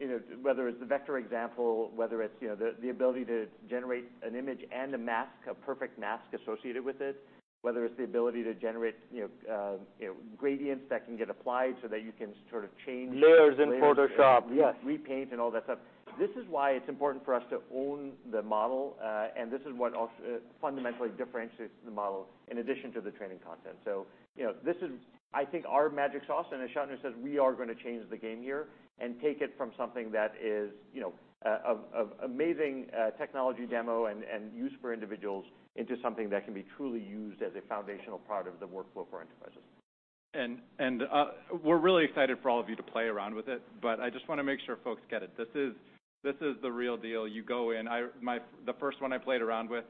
[SPEAKER 4] You know, whether it's the vector example, whether it's, you know, the ability to generate an image and a mask, a perfect mask associated with it, whether it's the ability to generate, you know, gradients that can get applied so that you can sort of change
[SPEAKER 2] Layers in Photoshop. Yes.
[SPEAKER 4] layers, repaint and all that stuff. This is why it's important for us to own the model, and this is what fundamentally differentiates the model in addition to the training content. you know, this is, I think, our magic sauce, and as Shantanu says, we are gonna change the game here and take it from something that is, you know, a amazing technology demo and use for individuals into something that can be truly used as a foundational part of the workflow for enterprises.
[SPEAKER 1] We're really excited for all of you to play around with it, but I just wanna make sure folks get it. This is the real deal. You go in. My first one I played around with,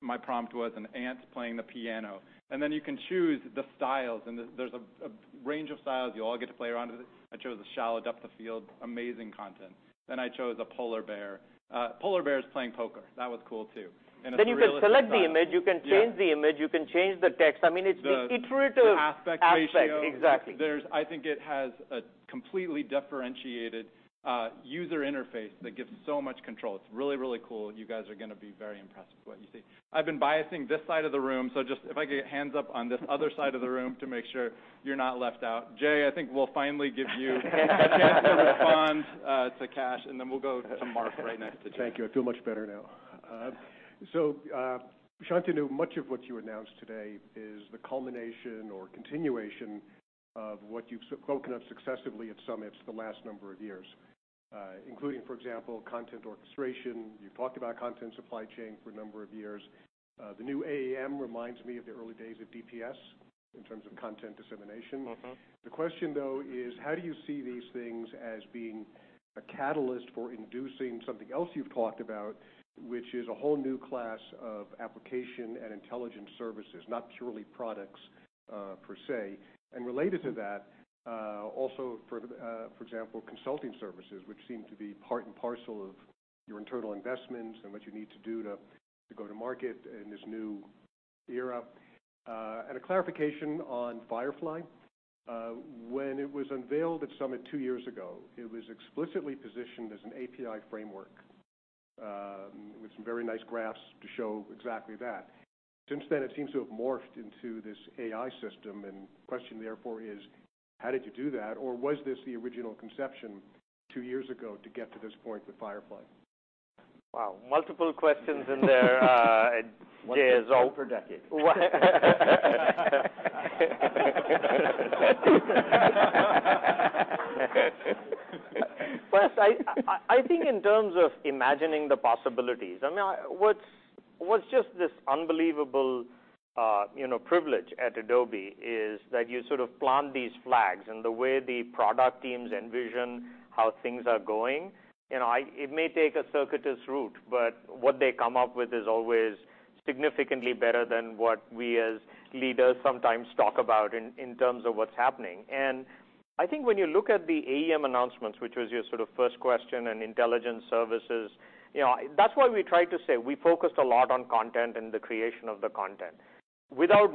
[SPEAKER 1] my prompt was an ant playing the piano. Then you can choose the styles, and there's a range of styles. You all get to play around with it. I chose a shallow depth of field, amazing content. Then I chose a polar bear. Polar bears playing poker. That was cool, too. It's a realistic size.
[SPEAKER 2] You can select the image, you can change the image, you can change the text. I mean, it's intuitive.
[SPEAKER 1] The aspect ratio.
[SPEAKER 2] aspect. Exactly.
[SPEAKER 1] I think it has a completely differentiated user interface that gives so much control. It's really, really cool. You guys are gonna be very impressed with what you see. I've been biasing this side of the room, so just if I could get hands up on this other side of the room to make sure you're not left out. Jay, I think we'll finally give you a chance to respond to Kash Rangan, then we'll go to Mark right next to Jay.
[SPEAKER 11] Thank you. I feel much better now. Shantanu, much of what you announced today is the culmination or continuation of what you've spoken of successively at Adobe Summits the last number of years, including, for example, content orchestration. You've talked about content supply chain for a number of years. The new AAM reminds me of the early days of DPS in terms of content dissemination.
[SPEAKER 2] Mm-hmm.
[SPEAKER 11] The question, though, is how do you see these things as being a catalyst for inducing something else you've talked about, which is a whole new class of application and intelligence services, not purely products, per se. Related to that, also for example, consulting services, which seem to be part and parcel of your internal investments and what you need to do to go to market in this new era. A clarification on Firefly. When it was unveiled at Summit two years ago, it was explicitly positioned as an API framework, with some very nice graphs to show exactly that. Since then, it seems to have morphed into this AI system, and question therefore is, how did you do that? Or was this the original conception two years ago to get to this point with Firefly?
[SPEAKER 2] Wow. Multiple questions in there, Jay.
[SPEAKER 11] One for each decade.
[SPEAKER 2] First, I think in terms of imagining the possibilities, I mean, what's just this unbelievable, you know, privilege at Adobe is that you sort of plant these flags and the way the product teams envision how things are going. You know, it may take a circuitous route, but what they come up with is always significantly better than what we as leaders sometimes talk about in terms of what's happening. I think when you look at the AEM announcements, which was your sort of first question, and intelligence services, you know, that's why we try to say we focused a lot on content and the creation of the content. Without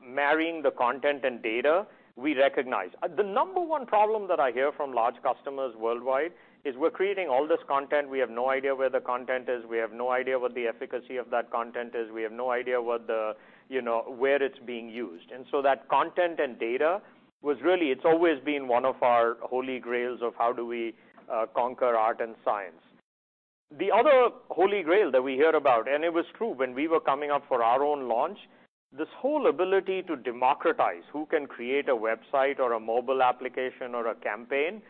[SPEAKER 2] marrying the content and data, we recognize. The number one problem that I hear from large customers worldwide is we're creating all this content. We have no idea where the content is. We have no idea what the efficacy of that content is. We have no idea what the, you know, where it's being used. That content and data was really, it's always been one of our holy grails of how do we conquer art and science. The other holy grail that we hear about, and it was true when we were coming up for our own launch, this whole ability to democratize who can create a website or a mobile application or a campaign.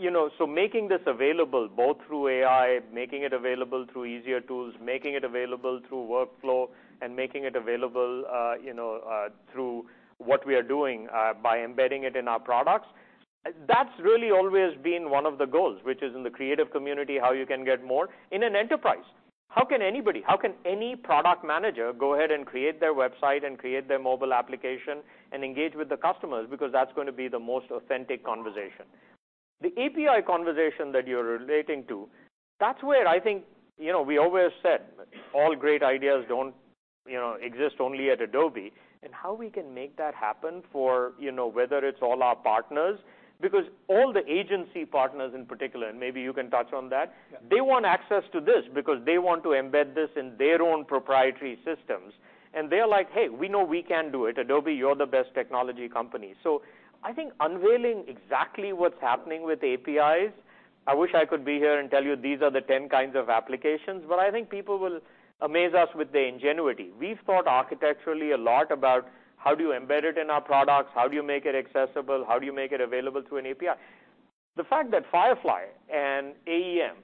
[SPEAKER 2] You know, making this available both through AI, making it available through easier tools, making it available through workflow, and making it available, you know, through what we are doing by embedding it in our products, that's really always been one of the goals, which is in the creative community, how you can get more. In an enterprise, how can anybody, how can any product manager go ahead and create their website and create their mobile application and engage with the customers? That's gonna be the most authentic conversation. The API conversation that you're relating to, that's where I think, you know, we always said all great ideas You know, exists only at Adobe, and how we can make that happen for, you know, whether it's all our partners. All the agency partners in particular, and maybe you can touch on that.
[SPEAKER 3] Yeah.
[SPEAKER 2] -they want access to this because they want to embed this in their own proprietary systems, and they're like, "Hey, we know we can do it. Adobe, you're the best technology company." I think unveiling exactly what's happening with APIs, I wish I could be here and tell you these are the 10 kinds of applications, but I think people will amaze us with their ingenuity. We've thought architecturally a lot about how do you embed it in our products, how do you make it accessible, how do you make it available through an API? The fact that Firefly and AEM,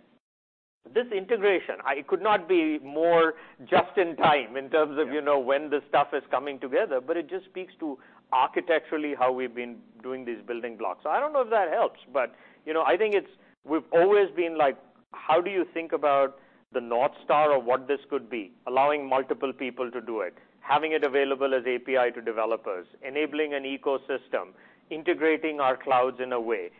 [SPEAKER 2] this integration, I could not be more just in time in terms of.
[SPEAKER 3] Yeah.
[SPEAKER 2] you know, when this stuff is coming together, but it just speaks to architecturally how we've been doing these building blocks. I don't know if that helps, but, you know, I think it's we've always been like, how do you think about the North Star of what this could be? Allowing multiple people to do it, having it available as API to developers, enabling an ecosystem, integrating our clouds in a way.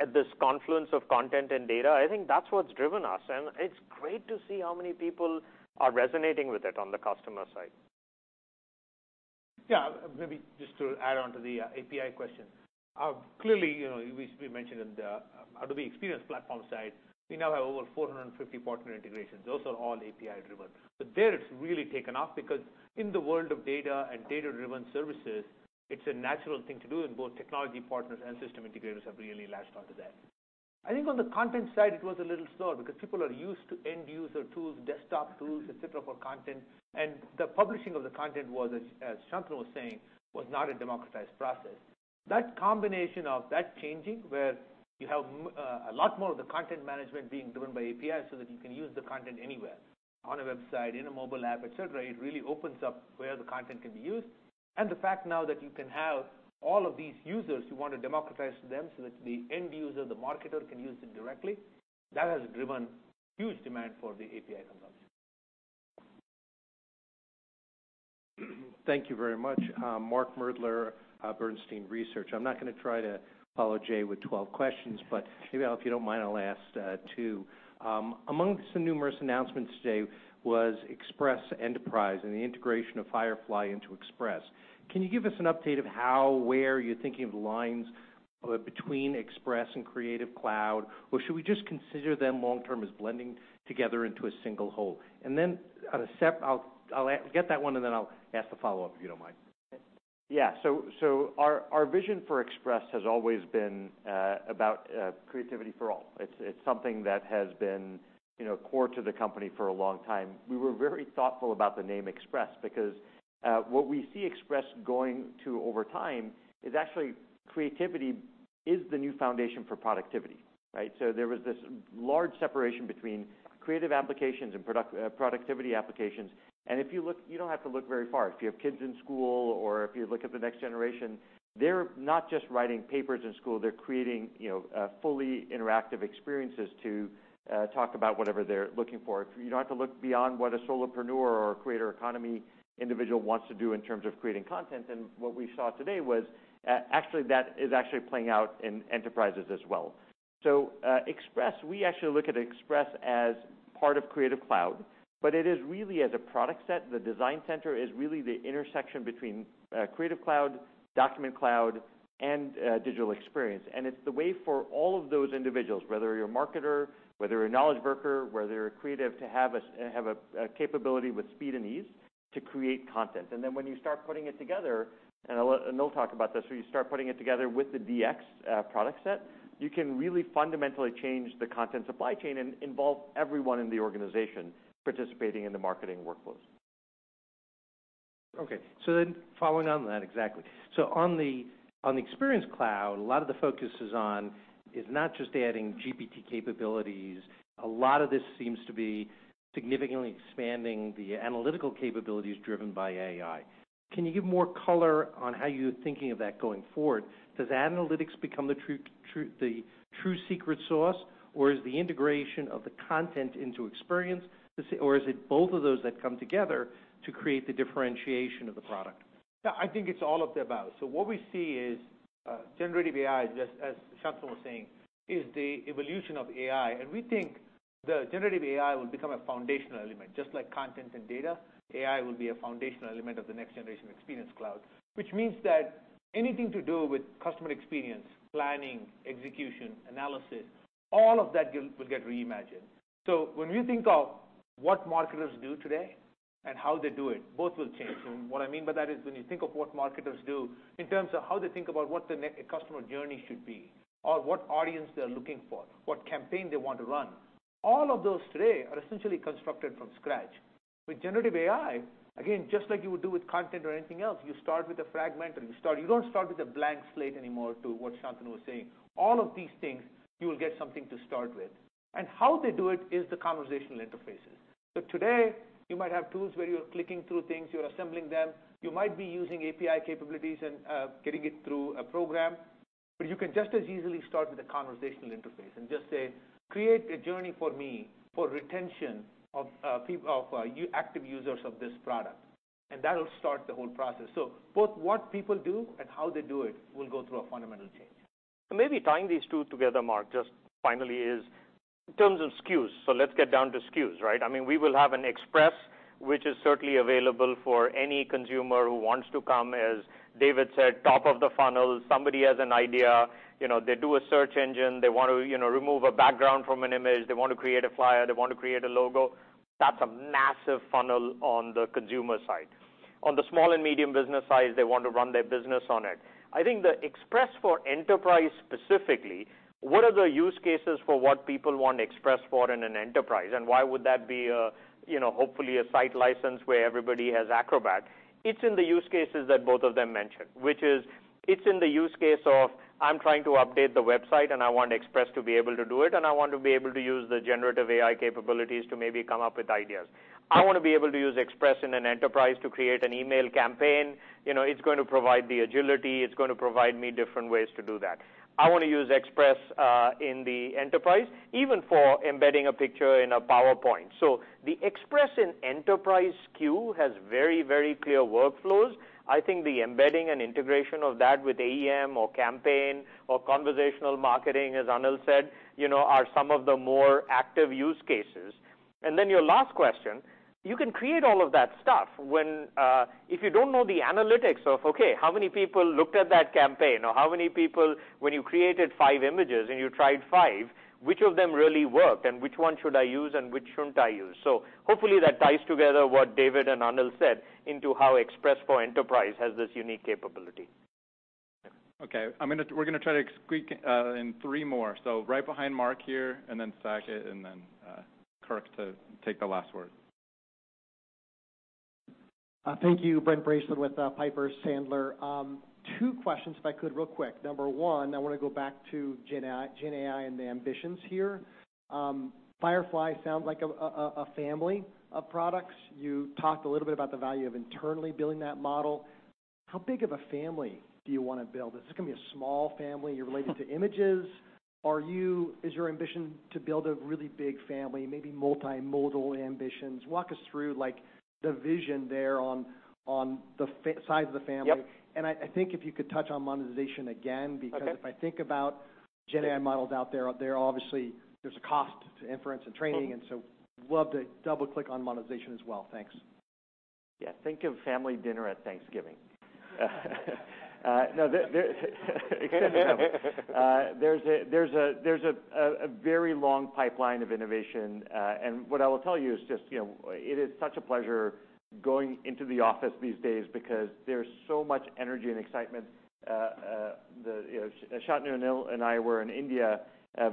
[SPEAKER 2] At this confluence of content and data, I think that's what's driven us, and it's great to see how many people are resonating with it on the customer side.
[SPEAKER 3] Yeah. Maybe just to add on to the API question. Clearly, you know, we mentioned in the Adobe Experience Platform side, we now have over 450 partner integrations. Those are all API-driven. There it's really taken off because in the world of data and data-driven services, it's a natural thing to do, and both technology partners and system integrators have really latched onto that. I think on the content side, it was a little slower because people are used to end user tools, desktop tools, et cetera, for content. The publishing of the content was, as Shantanu was saying, was not a democratized process. That combination of that changing, where you have a lot more of the content management being driven by API so that you can use the content anywhere, on a website, in a mobile app, et cetera, it really opens up where the content can be used. The fact now that you can have all of these users who want to democratize to them so that the end user, the marketer, can use it directly, that has driven huge demand for the API technology.
[SPEAKER 12] Thank you very much. Mark Moerdler, Bernstein Research. I'm not gonna try to follow Jay with 12 questions, but maybe, if you don't mind, I'll ask two. Amongst the numerous announcements today was Express Enterprise and the integration of Firefly into Express. Can you give us an update of how, where you're thinking of the lines between Express and Creative Cloud? Or should we just consider them long-term as blending together into a single whole? On that one, I'll get that one, and then I'll ask the follow-up, if you don't mind.
[SPEAKER 3] Yeah. Our vision for Adobe Express has always been about creativity for all. It's something that has been, you know, core to the company for a long time. We were very thoughtful about the name Adobe Express because what we see Adobe Express going to over time is actually creativity is the new foundation for productivity, right? There was this large separation between creative applications and productivity applications. If you look, you don't have to look very far. If you have kids in school or if you look at the next generation, they're not just writing papers in school. They're creating, you know, fully interactive experiences to talk about whatever they're looking for. You don't have to look beyond what a solopreneur or creator economy individual wants to do in terms of creating content. What we saw today was actually that is actually playing out in enterprises as well. Express, we actually look at Express as part of Creative Cloud, but it is really as a product set. The design center is really the intersection between Creative Cloud, Document Cloud, and Digital Experience. It's the way for all of those individuals, whether you're a marketer, whether you're a knowledge worker, whether you're a creative, to have a capability with speed and ease to create content. Then when you start putting it together, and they'll talk about this, when you start putting it together with the DX product set, you can really fundamentally change the content supply chain and involve everyone in the organization participating in the marketing workflows.
[SPEAKER 12] Okay. Following on that, exactly. On the Experience Cloud, a lot of the focus is on is not just adding GPT capabilities. A lot of this seems to be significantly expanding the analytical capabilities driven by AI. Can you give more color on how you're thinking of that going forward? Does analytics become the true secret sauce, or is the integration of the content into experience or is it both of those that come together to create the differentiation of the product?
[SPEAKER 3] Yeah, I think it's all of the above. What we see is generative AI, just as Shantanu was saying, is the evolution of AI. We think the generative AI will become a foundational element. Just like content and data, AI will be a foundational element of the next generation of Experience Cloud, which means that anything to do with customer experience, planning, execution, analysis, all of that will get reimagined. When we think of what marketers do today and how they do it, both will change. What I mean by that is when you think of what marketers do in terms of how they think about what a customer journey should be or what audience they are looking for, what campaign they want to run, all of those today are essentially constructed from scratch. With generative AI, again, just like you would do with content or anything else, you start with a fragment or You don't start with a blank slate anymore to what Shantanu Narayen was saying. All of these things you will get something to start with. How they do it is the conversational interfaces. Today you might have tools where you're clicking through things, you're assembling them, you might be using API capabilities and getting it through a program, but you can just as easily start with a conversational interface and just say, "Create a journey for me for retention of active users of this product," and that'll start the whole process. Both what people do and how they do it will go through a fundamental change.
[SPEAKER 2] Maybe tying these two together, Mark, just finally is in terms of SKUs. Let's get down to SKUs, right? I mean, we will have an Express which is certainly available for any consumer who wants to come. As David said, top of the funnel, somebody has an idea, you know, they do a search engine, they want to, you know, remove a background from an image, they want to create a flyer, they want to create a logo. That's a massive funnel on the consumer side. On the small and medium business side, they want to run their business on it. I think the Express for Enterprise specifically, what are the use cases for what people want Express for in an enterprise, and why would that be a, you know, hopefully a site license where everybody has Acrobat? It's in the use cases that both of them mentioned, which is it's in the use case of I'm trying to update the website, and I want Express to be able to do it, and I want to be able to use the generative AI capabilities to maybe come up with ideas. I want to be able to use Express in an enterprise to create an email campaign. You know, it's going to provide the agility. It's going to provide me different ways to do that. I want to use Express in the enterprise even for embedding a picture in a PowerPoint. So the Express in enterprise SKU has very, very clear workflows. I think the embedding and integration of that with AEM or campaign or conversational marketing, as Anil said, you know, are some of the more active use cases. Your last question, you can create all of that stuff when if you don't know the analytics of, okay, how many people looked at that campaign or how many people when you created five images and you tried five, which of them really worked and which one should I use and which shouldn't I use? Hopefully that ties together what David and Anil said into how Express for Enterprise has this unique capability.
[SPEAKER 1] Okay. We're gonna try to squeak in three more. Right behind Mark here, and then Saket, and then Kirk to take the last word.
[SPEAKER 13] Thank you. Brent Bracelin with Piper Sandler. Two questions, if I could, real quick. Number one, I want to go back to gen AI and the ambitions here. Firefly sounds like a family of products. You talked a little bit about the value of internally building that model. How big of a family do you want to build? Is this gonna be a small family related to images? Is your ambition to build a really big family, maybe multimodal ambitions? Walk us through, like, the vision there on the size of the family.
[SPEAKER 2] Yep.
[SPEAKER 13] I think if you could touch on monetization again.
[SPEAKER 2] Okay.
[SPEAKER 13] If I think about gen AI models out there's obviously a cost to inference and training. Love to double-click on monetization as well. Thanks.
[SPEAKER 4] Yeah. Think of family dinner at Thanksgiving. No, there's a very long pipeline of innovation. What I will tell you is just, you know, it is such a pleasure going into the office these days because there's so much energy and excitement. The, you know, Shantanu, Anil, and I were in India,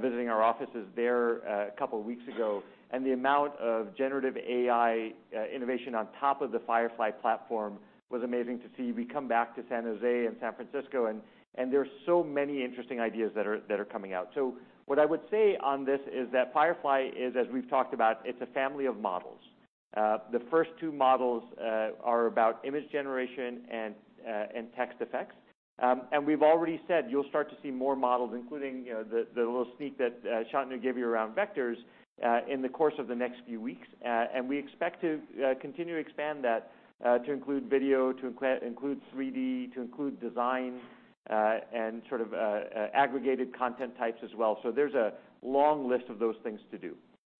[SPEAKER 4] visiting our offices there two weeks ago, and the amount of generative AI innovation on top of the Firefly platform was amazing to see. We come back to San Jose and San Francisco and there are so many interesting ideas that are coming out. What I would say on this is that Firefly is, as we've talked about, it's a family of models. The first two models are about image generation and text effects. We've already said you'll start to see more models, including, you know, the little sneak that Shantanu gave you around vectors in the course of the next few weeks. We expect to continue to expand that to include video, to include 3D, to include design, and sort of aggregated content types as well. There's a long list of those things to do.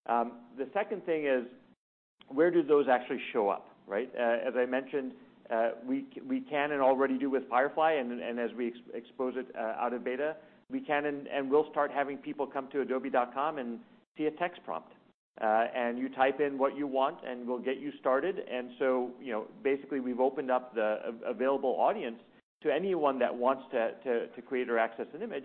[SPEAKER 4] The second thing is, where do those actually show up, right? As I mentioned, we can and already do with Firefly. As we expose it out of beta, we can and we'll start having people come to adobe.com and see a text prompt. You type in what you want, and we'll get you started. You know, basically we've opened up the available audience to anyone that wants to create or access an image.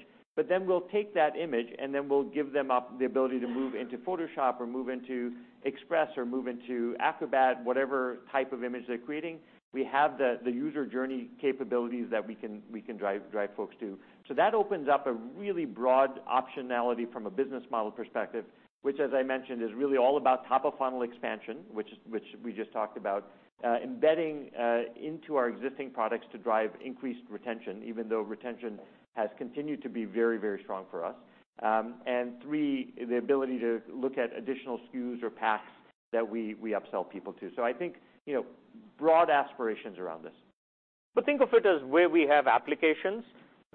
[SPEAKER 4] Then we'll take that image, and then we'll give them up the ability to move into Photoshop or move into Express or move into Acrobat, whatever type of image they're creating. We have the user journey capabilities that we can drive folks to. That opens up a really broad optionality from a business model perspective, which as I mentioned, is really all about top-of-funnel expansion, which we just talked about, embedding into our existing products to drive increased retention, even though retention has continued to be very, very strong for us. Three, the ability to look at additional SKUs or packs that we upsell people to. I think, you know, broad aspirations around this.
[SPEAKER 2] Think of it as where we have applications,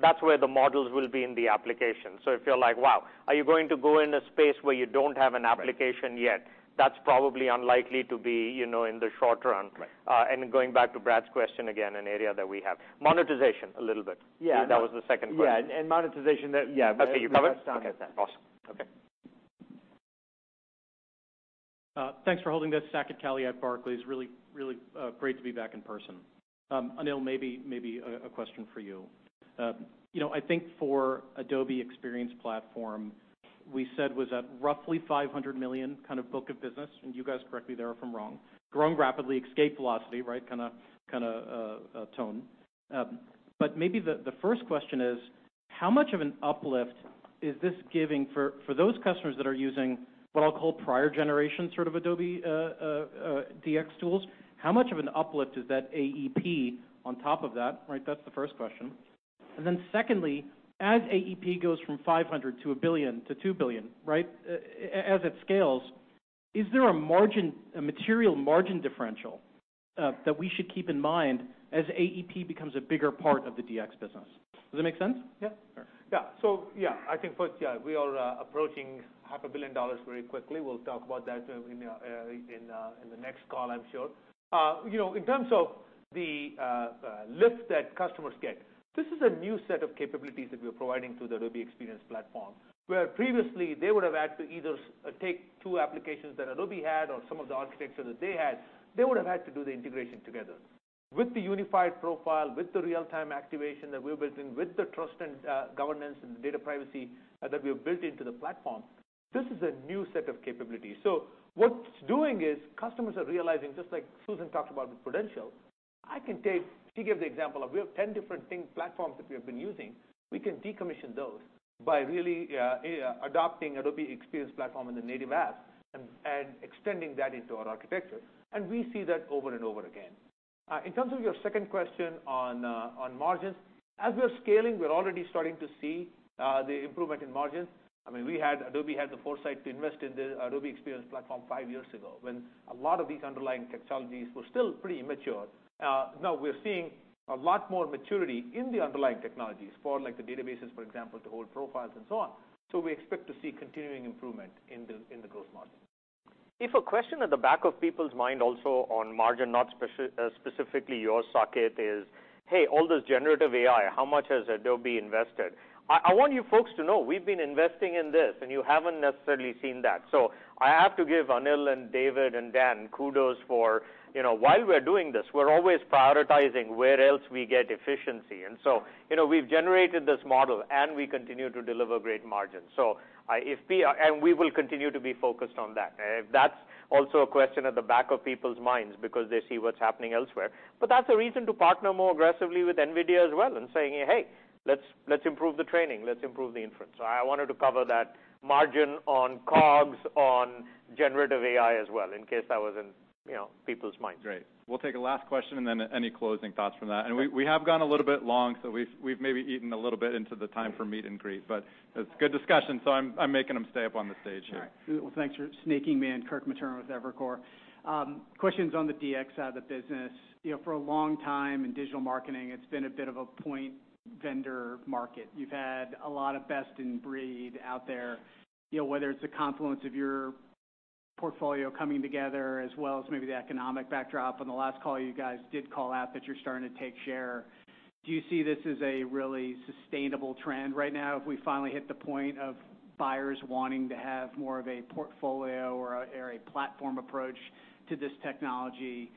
[SPEAKER 2] that's where the models will be in the application. If you're like, "Wow, are you going to go in a space where you don't have an application yet?" That's probably unlikely to be, you know, in the short run.
[SPEAKER 4] Right.
[SPEAKER 2] And going back to Brad's question again, an area that we have. Monetization a little bit.
[SPEAKER 4] Yeah.
[SPEAKER 2] That was the second question.
[SPEAKER 4] Yeah, monetization that, yeah.
[SPEAKER 2] [audio distrotion] Okay.
[SPEAKER 14] Thanks for holding this. Saket Kalia, Barclays. Really great to be back in person. Anil, maybe a question for you. You know, I think for Adobe Experience Platform, we said was a roughly $500 million kind of book of business, and you guys correct me there if I'm wrong. Growing rapidly, escape velocity, right? Kind of tone. Maybe the first question is, how much of an uplift is this giving for those customers that are using what I'll call prior generation sort of Adobe DX tools, how much of an uplift is that AEP on top of that, right? That's the first question. Then secondly, as AEP goes from $500 million to $1 billion to $2 billion, right? As it scales, is there a material margin differential That we should keep in mind as AEP becomes a bigger part of the DX business. Does that make sense?
[SPEAKER 2] Yeah? Sure. Yeah, I think first, yeah, we are approaching half a billion dollars very quickly. We'll talk about that in the next call, I'm sure. You know, in terms of the lift that customers get, this is a new set of capabilities that we're providing to the Adobe Experience Platform, where previously they would have had to either take two applications that Adobe had or some of the architecture that they had, they would have had to do the integration together. With the unified profile, with the real-time activation that we're building, with the trust and governance and data privacy that we have built into the platform, this is a new set of capabilities. What it's doing is customers are realizing, just like Susan talked about with Prudential, I can take... She gave the example of we have 10 different things, platforms that we have been using, we can decommission those by really adopting Adobe Experience Platform in the native app and extending that into our architecture. We see that over and over again. In terms of your second question on margins, as we are scaling, we're already starting to see the improvement in margins. I mean, Adobe had the foresight to invest in the Adobe Experience Platform five years ago, when a lot of these underlying technologies were still pretty immature. Now we're seeing a lot more maturity in the underlying technologies for, like, the databases, for example, to hold profiles and so on. We expect to see continuing improvement in the growth margin. If a question at the back of people's mind also on margin, not specifically your Saket is, "Hey, all this generative AI, how much has Adobe invested?" I want you folks to know we've been investing in this, you haven't necessarily seen that. I have to give Anil and David and Dan kudos for, you know, while we're doing this, we're always prioritizing where else we get efficiency. you know, we've generated this model and we continue to deliver great margins. we will continue to be focused on that. If that's also a question at the back of people's minds because they see what's happening elsewhere, but that's a reason to partner more aggressively with NVIDIA as well and saying, "Hey, let's improve the training. Let's improve the inference. I wanted to cover that margin on cogs, on generative AI as well, in case that was in, you know, people's minds.
[SPEAKER 1] Gr.at. We'll take a last question and then any closing thoughts from that. We have gone a little bit long, so we've maybe eaten a little bit into the time for meet and greet, but it's good discussion, so I'm making them stay up on the stage here.
[SPEAKER 15] All right. Well, thanks for sneaking me in. Kirk Materne with Evercore. Questions on the DX side of the business. You know, for a long time in digital marketing, it's been a bit of a point vendor market. You've had a lot of best in breed out there. You know, whether it's the confluence of your portfolio coming together as well as maybe the economic backdrop. On the last call, you guys did call out that you're starting to take share. Do you see this as a really sustainable trend right now, if we finally hit the point of buyers wanting to have more of a portfolio or a platform approach to this technology?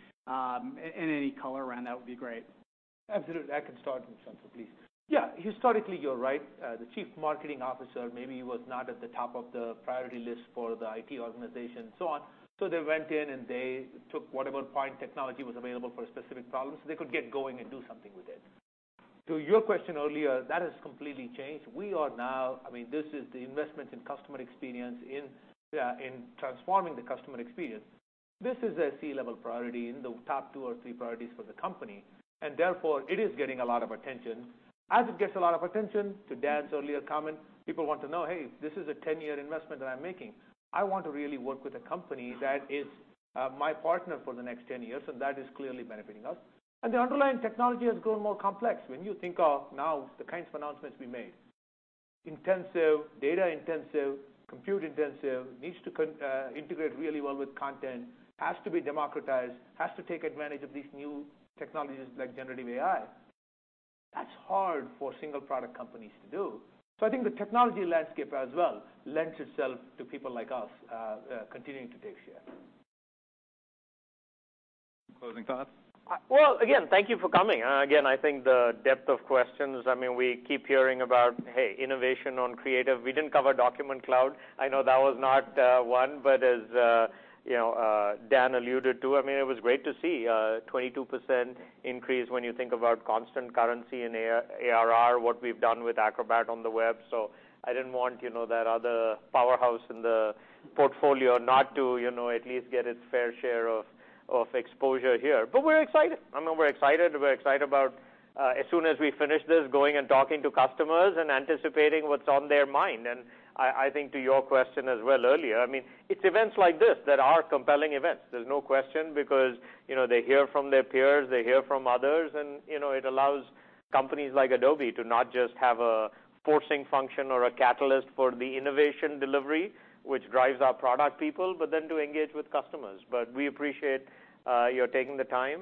[SPEAKER 15] Any color around that would be great.
[SPEAKER 3] Absolutely. I can start, Shantanu, please. Yeah, historically, you're right. The chief marketing officer maybe was not at the top of the priority list for the IT organization and so on. They went in and they took whatever point technology was available for specific problems, so they could get going and do something with it. To your question earlier, that has completely changed. I mean, this is the investment in customer experience in transforming the customer experience. This is a C-level priority in the top two or three priorities for the company, and therefore it is getting a lot of attention. As it gets a lot of attention, to Dan's earlier comment, people want to know, "Hey, this is a 10-year investment that I'm making. I want to really work with a company that is my partner for the next 10 years," and that is clearly benefiting us. The underlying technology has grown more complex. When you think of now the kinds of announcements we made, intensive, data intensive, compute intensive, needs to integrate really well with content, has to be democratized, has to take advantage of these new technologies like generative AI. That's hard for single product companies to do. I think the technology landscape as well lends itself to people like us, continuing to take share.
[SPEAKER 1] Closing thoughts?
[SPEAKER 2] Well, again, thank you for coming. again, I think the depth of questions, I mean, we keep hearing about, hey, innovation on creative. We didn't cover Document Cloud. I know that was not one, but as you know, Dan alluded to, I mean, it was great to see 22% increase when you think about constant currency and AR, ARR, what we've done with Acrobat on the web. I didn't want, you know, that other powerhouse in the portfolio not to, you know, at least get its fair share of exposure here. We're excited. I mean, we're excited about as soon as we finish this, going and talking to customers and anticipating what's on their mind. I think to your question as well earlier, I mean, it's events like this that are compelling events. There's no question because, you know, they hear from their peers, they hear from others, and, you know, it allows companies like Adobe to not just have a forcing function or a catalyst for the innovation delivery, which drives our product people, but then to engage with customers. We appreciate your taking the time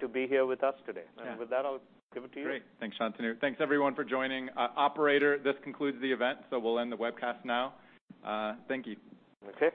[SPEAKER 2] to be here with us today.
[SPEAKER 1] Yeah.
[SPEAKER 2] With that, I'll give it to you.
[SPEAKER 1] Great. Thanks, Shantanu. Thanks everyone for joining. Operator, this concludes the event, we'll end the webcast now. Thank you.
[SPEAKER 2] Okay.